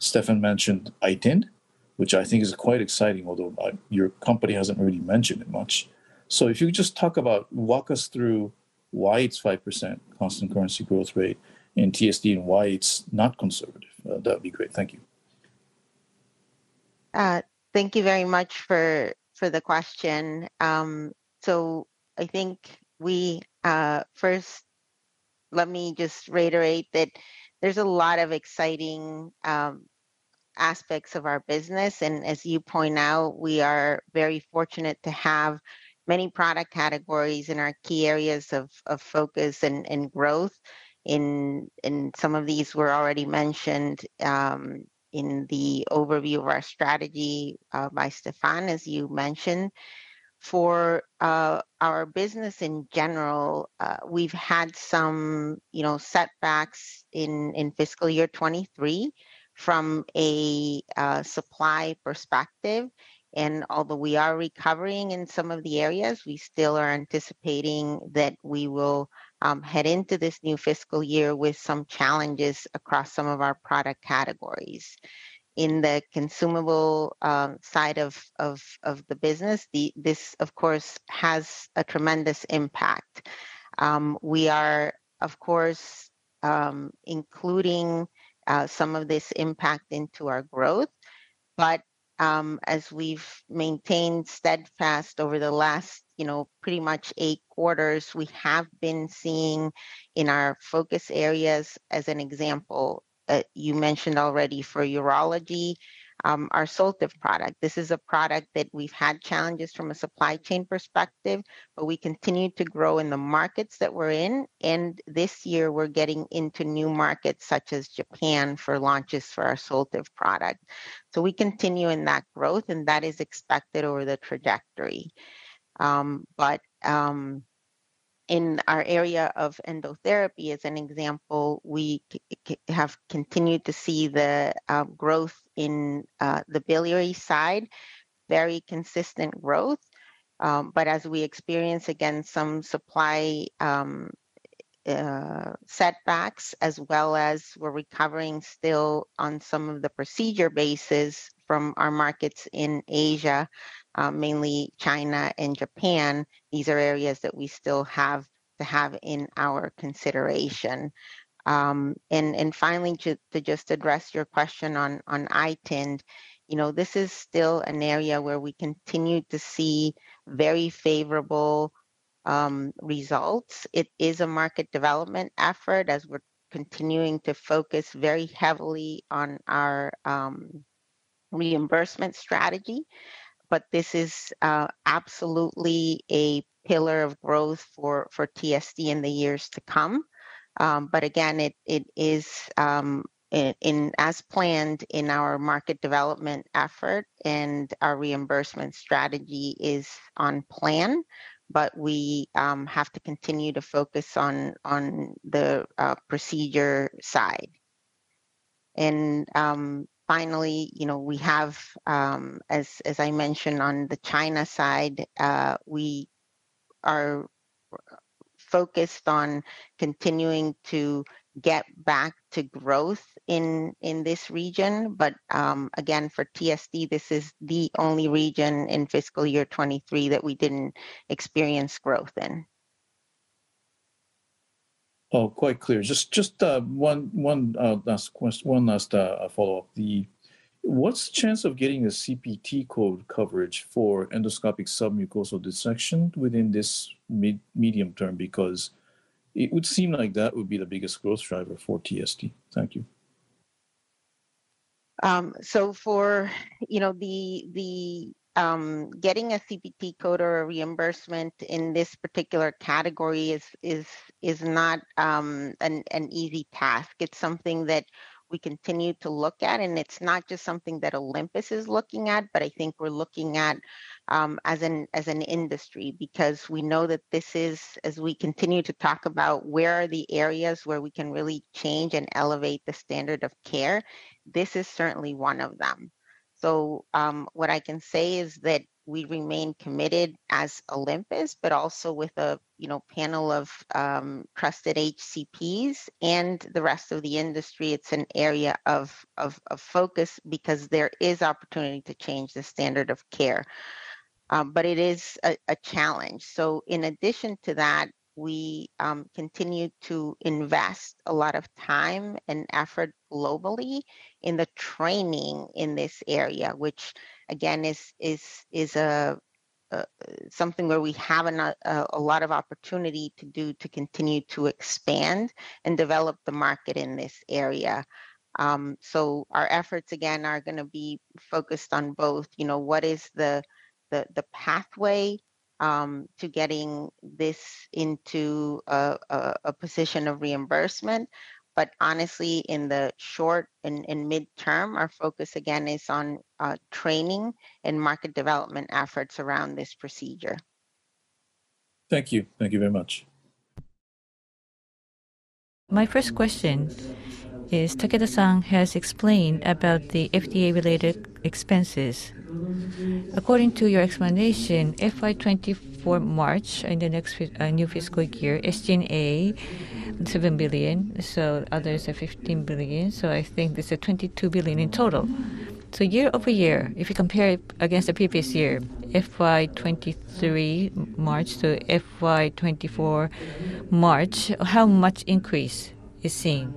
Stefan mentioned iTind, which I think is quite exciting, although, your company hasn't really mentioned it much. So if you could just talk about, walk us through why it's 5% constant currency growth rate in TSD, and why it's not conservative. That would be great. Thank you. Thank you very much for the question. So I think we... First, let me just reiterate that there's a lot of exciting aspects of our business, and as you point out, we are very fortunate to have many product categories in our key areas of focus and growth. And some of these were already mentioned in the overview of our strategy by Stefan, as you mentioned. For our business in general, we've had some, you know, setbacks in fiscal year 2023 from a supply perspective, and although we are recovering in some of the areas, we still are anticipating that we will head into this new fiscal year with some challenges across some of our product categories. In the consumable side of the business, this, of course, has a tremendous impact. We are, of course, including some of this impact into our growth. But, as we've maintained steadfast over the last, you know, pretty much eight quarters, we have been seeing in our focus areas, as an example, you mentioned already for urology, our Soltive product. This is a product that we've had challenges from a supply chain perspective, but we continue to grow in the markets that we're in, and this year we're getting into new markets such as Japan for launches for our Soltive product. So we continue in that growth, and that is expected over the trajectory. But, in our area of Endotherapy, as an example, we have continued to see the growth in the biliary side, very consistent growth. But as we experience, again, some supply ch-... setbacks, as well as we're recovering still on some of the procedure bases from our markets in Asia, mainly China and Japan. These are areas that we still have to have in our consideration. And finally, to just address your question on iTind, you know, this is still an area where we continue to see very favorable results. It is a market development effort as we're continuing to focus very heavily on our reimbursement strategy. But this is absolutely a pillar of growth for TSD in the years to come. But again, it is as planned in our market development effort and our reimbursement strategy is on plan, but we have to continue to focus on the procedure side. Finally, you know, we have, as I mentioned on the China side, we are focused on continuing to get back to growth in this region. Again, for TSD, this is the only region in fiscal year 2023 that we didn't experience growth in. Oh, quite clear. Just one last follow-up. What's the chance of getting a CPT code coverage for endoscopic submucosal dissection within this medium term? Because it would seem like that would be the biggest growth driver for TSD. Thank you. So for, you know, the getting a CPT code or a reimbursement in this particular category is not an easy task. It's something that we continue to look at, and it's not just something that Olympus is looking at, but I think we're looking at as an industry. Because we know that this is, as we continue to talk about where are the areas where we can really change and elevate the standard of care, this is certainly one of them. So, what I can say is that we remain committed as Olympus, but also with a, you know, panel of trusted HCPs and the rest of the industry. It's an area of focus because there is opportunity to change the standard of care, but it is a challenge. So in addition to that, we continue to invest a lot of time and effort globally in the training in this area, which again, is something where we have a lot of opportunity to continue to expand and develop the market in this area. So our efforts, again, are gonna be focused on both, you know, what is the pathway to getting this into a position of reimbursement. But honestly, in the short and mid-term, our focus again is on training and market development efforts around this procedure. Thank you. Thank you very much. My first question is, Takeda-san has explained about the FDA-related expenses. According to your explanation, FY 2024 March, in the next fiscal year, SG&A, 7 billion, so others are 15 billion. So I think this is 22 billion in total. So year-over-year, if you compare it against the previous year, FY 2023 March to FY 2024 March, how much increase you're seeing?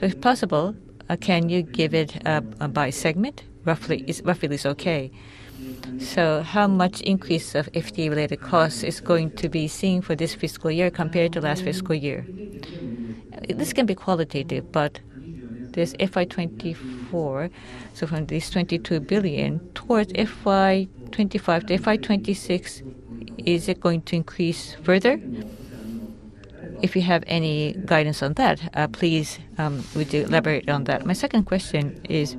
If possible, can you give it by segment? Roughly is okay. So how much increase of FDA-related costs is going to be seen for this fiscal year compared to last fiscal year? This can be qualitative, but this FY 2024, so from this 22 billion towards FY 2025 to FY 2026, is it going to increase further? If you have any guidance on that, please, would you elaborate on that. My second question is-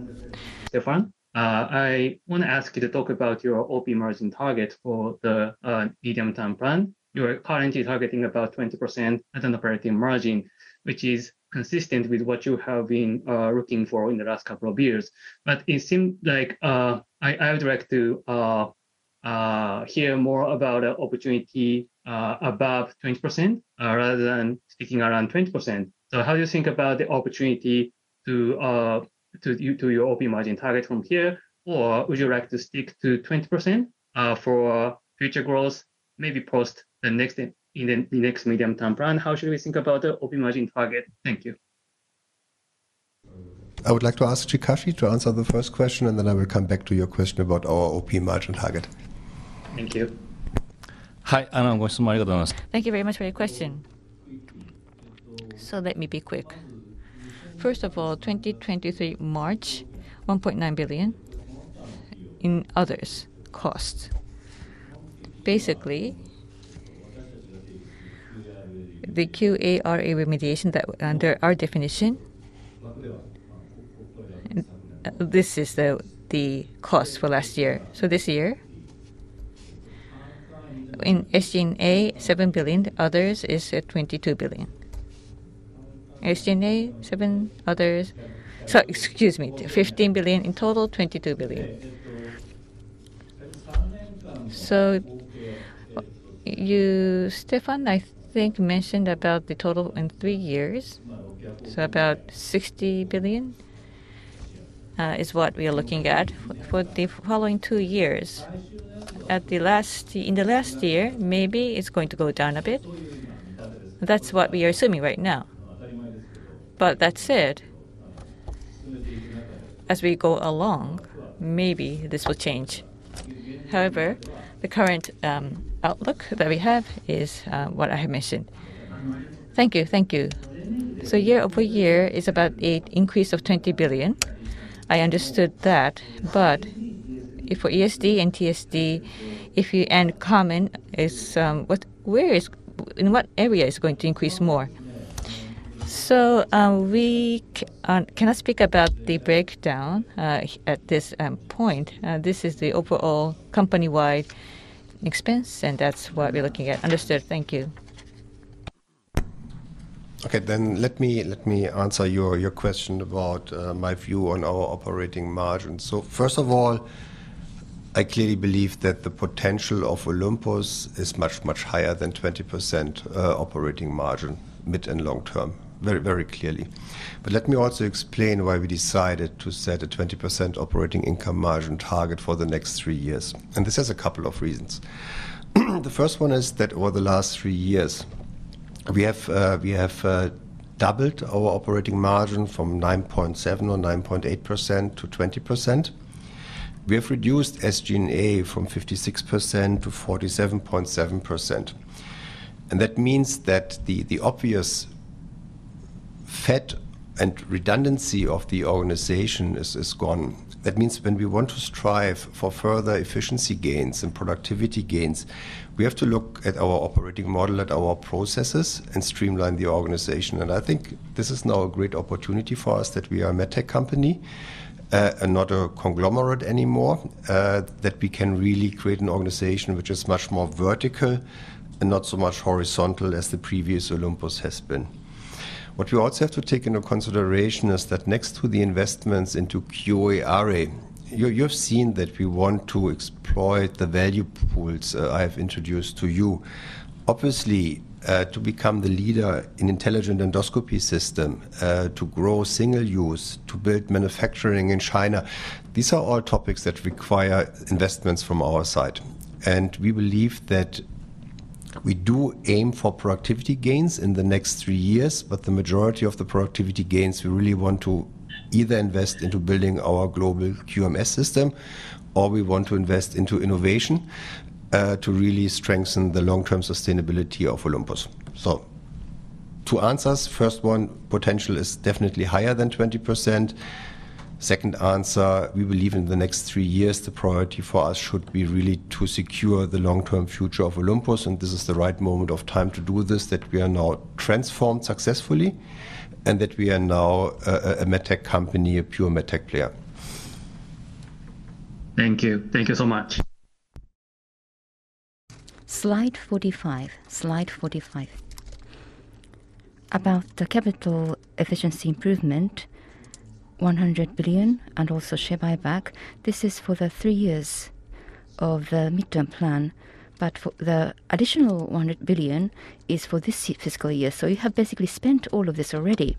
Stefan, I want to ask you to talk about your OP margin target for the medium-term plan. You are currently targeting about 20% at an operating margin, which is consistent with what you have been looking for in the last couple of years. But it seems like I would like to hear more about an opportunity above 20% rather than sticking around 20%. So how do you think about the opportunity to your OP margin target from here? Or would you like to stick to 20% for future growth, maybe post the next in the next medium-term plan? How should we think about the OP margin target? Thank you. I would like to ask Chikashi to answer the first question, and then I will come back to your question about our OP margin target. Thank you. Thank you very much for your question. So let me be quick. First of all, 2023 March, 1.9 billion in others costs. Basically, the QA/RA remediation that under our definition, this is the cost for last year. So this year, in SG&A, 7 billion, others is 22 billion. SG&A, 7, others... So excuse me, 15 billion, in total, 22 billion.... So, you, Stefan, I think, mentioned about the total in three years. So about 60 billion is what we are looking at for the following two years. At the last, in the last year, maybe it's going to go down a bit. That's what we are assuming right now. But that said, as we go along, maybe this will change. However, the current outlook that we have is what I mentioned. Thank you. Thank you. So year-over-year is about a increase of 20 billion. I understood that, but if for ESD and TSD, if you add common, is, where is in what area is it going to increase more? So, we cannot speak about the breakdown at this point. This is the overall company-wide expense, and that's what we're looking at. Understood. Thank you. Okay, then let me, let me answer your, your question about, my view on our operating margin. So first of all, I clearly believe that the potential of Olympus is much, much higher than 20%, operating margin, mid and long term. Very, very clearly. But let me also explain why we decided to set a 20% operating income margin target for the next three years, and this has a couple of reasons. The first one is that over the last three years, we have, we have, doubled our operating margin from 9.7% or 9.8% to 20%. We have reduced SG&A from 56% to 47.7%, and that means that the, the obvious fat and redundancy of the organization is, is gone. That means when we want to strive for further efficiency gains and productivity gains, we have to look at our operating model, at our processes, and streamline the organization. And I think this is now a great opportunity for us that we are a medtech company, and not a conglomerate anymore. That we can really create an organization which is much more vertical and not so much horizontal as the previous Olympus has been. What we also have to take into consideration is that next to the investments into pure RA, you, you've seen that we want to exploit the value pools, I have introduced to you. Obviously, to become the leader in intelligent endoscopy system, to grow single use, to build manufacturing in China, these are all topics that require investments from our side. We believe that we do aim for productivity gains in the next three years, but the majority of the productivity gains, we really want to either invest into building our global QMS system, or we want to invest into innovation to really strengthen the long-term sustainability of Olympus. So to answer us, first one, potential is definitely higher than 20%. Second answer, we believe in the next three years, the priority for us should be really to secure the long-term future of Olympus, and this is the right moment of time to do this, that we are now transformed successfully, and that we are now a medtech company, a pure medtech player. Thank you. Thank you so much. Slide 45. Slide 45. About the capital efficiency improvement, 100 billion, and also share buyback, this is for the three years of the midterm plan, but for the additional 100 billion is for this fiscal year. So you have basically spent all of this already.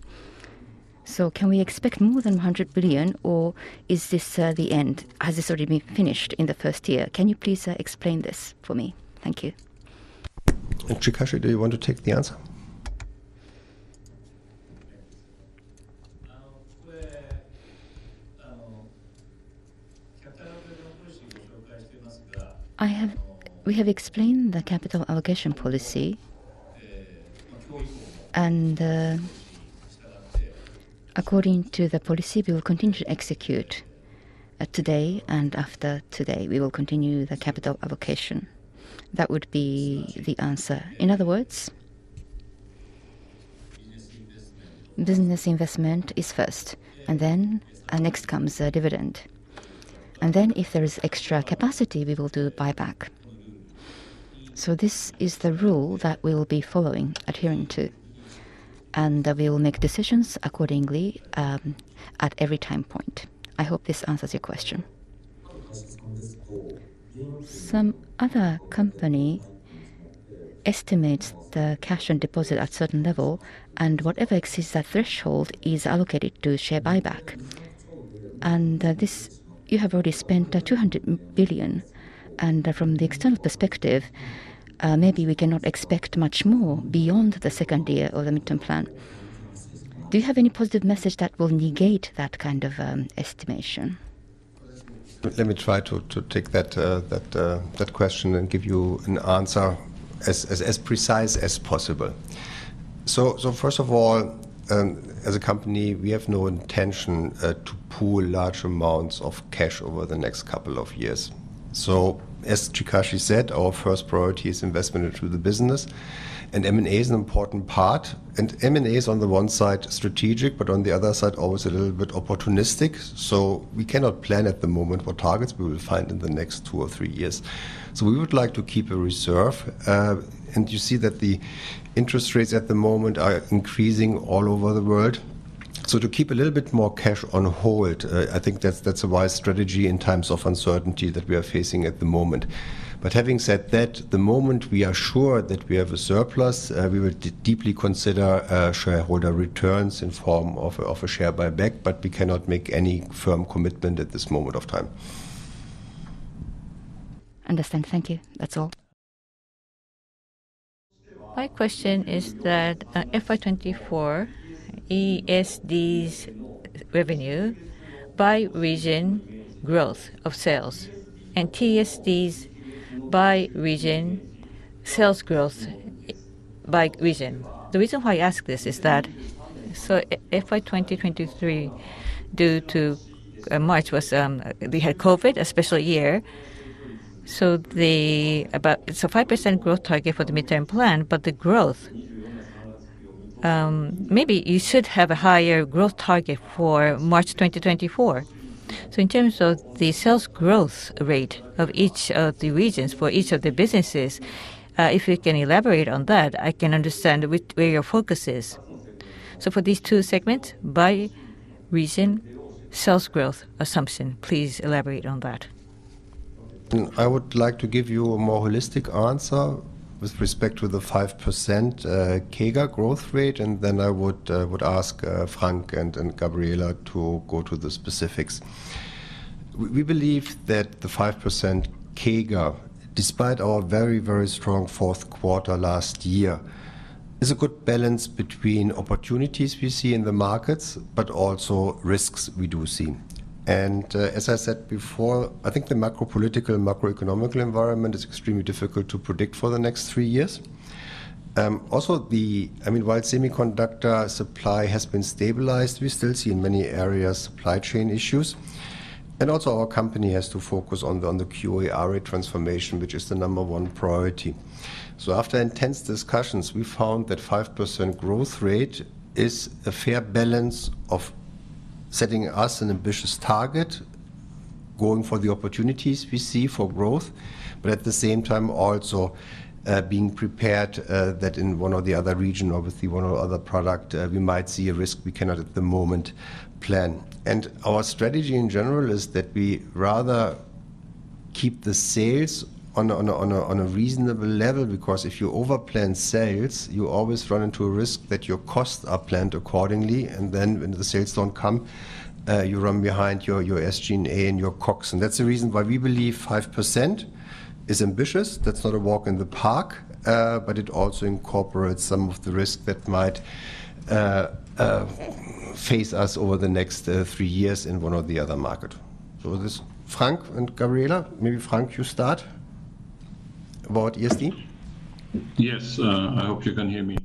So can we expect more than 100 billion, or is this the end? Has this already been finished in the first year? Can you please explain this for me? Thank you. Chikashi, do you want to take the answer? Um, uh, um. We have explained the capital allocation policy, and, according to the policy, we will continue to execute, today and after today. We will continue the capital allocation. That would be the answer. In other words- Business investment is first, and then next comes dividend. And then if there is extra capacity, we will do the buyback. So this is the rule that we will be following, adhering to, and we will make decisions accordingly at every time point. I hope this answers your question. Some other company estimates the cash and deposit at certain level, and whatever exceeds that threshold is allocated to share buyback. And this, you have already spent 200 billion, and from the external perspective, maybe we cannot expect much more beyond the second year of the midterm plan. Do you have any positive message that will negate that kind of estimation? Let me try to take that question and give you an answer as precise as possible. So first of all, as a company, we have no intention to pool large amounts of cash over the next couple of years. So as Chikashi said, our first priority is investment into the business, and M&A is an important part. And M&A is, on the one side, strategic, but on the other side, always a little bit opportunistic. So we cannot plan at the moment what targets we will find in the next two or three years. So we would like to keep a reserve. And you see that the interest rates at the moment are increasing all over the world.... So to keep a little bit more cash on hold, I think that's a wise strategy in times of uncertainty that we are facing at the moment. But having said that, the moment we are sure that we have a surplus, we will deeply consider shareholder returns in form of a share buyback, but we cannot make any firm commitment at this moment of time. Understand. Thank you. That's all. My question is that, FY 2024, ESD's revenue by region growth of sales, and TSD's by region sales growth by region. The reason why I ask this is that, so FY 2023, due to, March was. We had COVID, a special year, so 5% growth target for the midterm plan, but the growth, maybe you should have a higher growth target for March 2024. So in terms of the sales growth rate of each of the regions for each of the businesses, if you can elaborate on that, I can understand where, where your focus is. So for these two segments, by region, sales growth assumption, please elaborate on that. I would like to give you a more holistic answer with respect to the 5%, CAGR growth rate, and then I would ask Frank and Gabriela to go to the specifics. We believe that the 5% CAGR, despite our very, very strong fourth quarter last year, is a good balance between opportunities we see in the markets, but also risks we do see. As I said before, I think the macro political, macro economical environment is extremely difficult to predict for the next three years. Also, I mean, while semiconductor supply has been stabilized, we still see in many areas supply chain issues. Also, our company has to focus on the QA/RA transformation, which is the number one priority. So after intense discussions, we found that 5% growth rate is a fair balance of setting us an ambitious target, going for the opportunities we see for growth, but at the same time, also, being prepared that in one or the other region, or with the one or other product, we might see a risk we cannot at the moment plan. And our strategy in general is that we rather keep the sales on a reasonable level, because if you over-plan sales, you always run into a risk that your costs are planned accordingly, and then when the sales don't come, you run behind your SG&A and your COGS. And that's the reason why we believe 5% is ambitious. That's not a walk in the park, but it also incorporates some of the risk that might face us over the next three years in one or the other market. So with this, Frank and Gabriela, maybe Frank, you start about ESD? Yes, I hope you can hear me.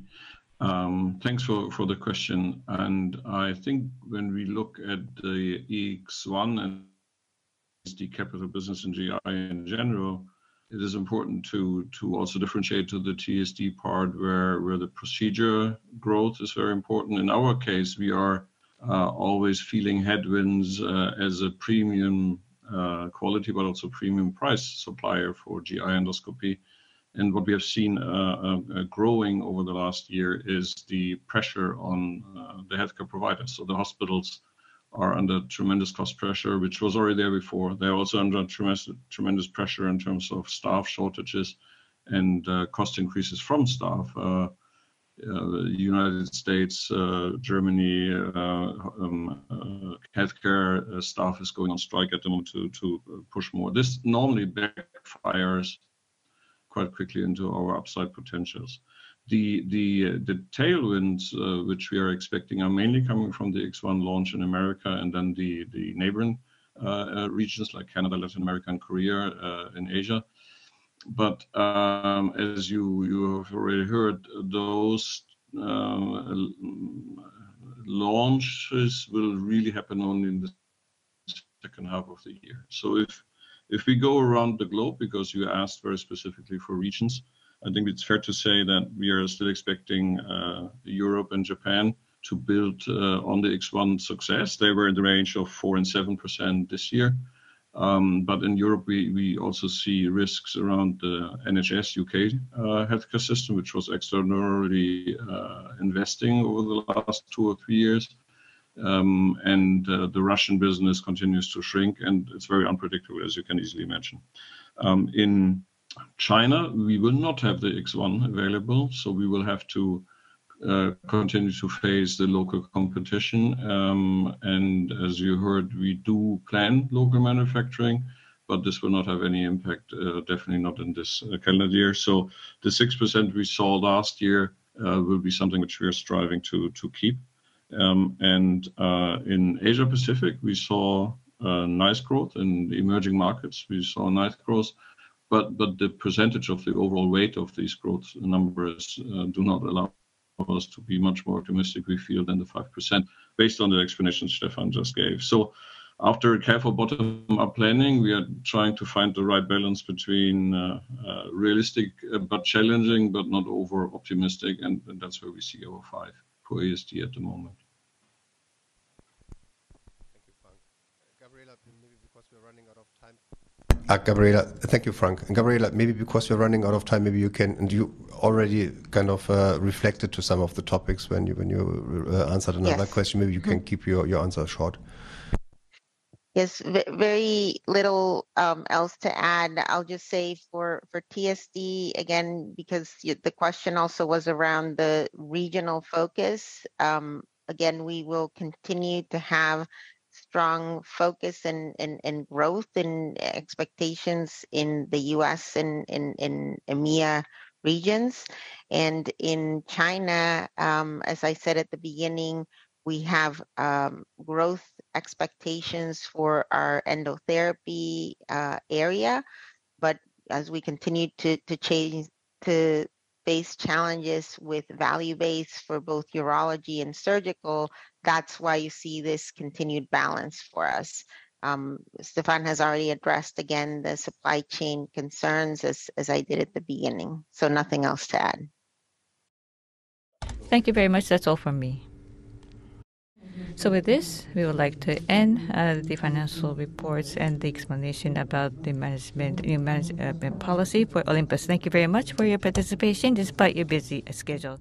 Thanks for the question, and I think when we look at the EVIS X1 and the capital business in GI in general, it is important to also differentiate to the TSD part, where the procedure growth is very important. In our case, we are always feeling headwinds as a premium quality, but also premium price supplier for GI endoscopy. And what we have seen growing over the last year is the pressure on the healthcare providers. So the hospitals are under tremendous cost pressure, which was already there before. They're also under tremendous pressure in terms of staff shortages and cost increases from staff. The United States, Germany, healthcare staff is going on strike at the moment to push more. This normally backfires quite quickly into our upside potentials. The tailwinds which we are expecting are mainly coming from the X1 launch in America and then the neighboring regions like Canada, Latin America, and Korea and Asia. But as you have already heard, those launches will really happen only in the second half of the year. So if we go around the globe, because you asked very specifically for regions, I think it's fair to say that we are still expecting Europe and Japan to build on the X1 success. They were in the range of 4%-7% this year. But in Europe, we also see risks around the NHS U.K. healthcare system, which was extraordinarily investing over the last two or three years. The Russian business continues to shrink, and it's very unpredictable, as you can easily imagine. In China, we will not have the X1 available, so we will have to continue to face the local competition. And as you heard, we do plan local manufacturing, but this will not have any impact, definitely not in this calendar year. So the 6% we saw last year will be something which we are striving to keep. In Asia Pacific, we saw nice growth. In the emerging markets, we saw nice growth, but the percentage of the overall weight of these growth numbers do not allow us to be much more optimistic, we feel, than the 5%, based on the explanation Stefan just gave. After a careful bottom-up planning, we are trying to find the right balance between realistic, but challenging, but not over-optimistic, and that's where we see our five for ESD at the moment. Thank you, Frank. And Gabriela, maybe because we're running out of time, maybe you can. And you already kind of reflected to some of the topics when you answered another- Yes. Question. Maybe you can keep your answer short. Yes. Very little else to add. I'll just say for TSD, again, because the question also was around the regional focus. Again, we will continue to have strong focus and growth and expectations in the U.S. and in EMEA regions. And in China, as I said at the beginning, we have growth expectations for our Endotherapy area. But as we continue to face challenges with value base for both urology and surgical, that's why you see this continued balance for us. Stefan has already addressed again the supply chain concerns as I did at the beginning, so nothing else to add. Thank you very much. That's all from me. So with this, we would like to end the financial reports and the explanation about the management policy for Olympus. Thank you very much for your participation, despite your busy schedule.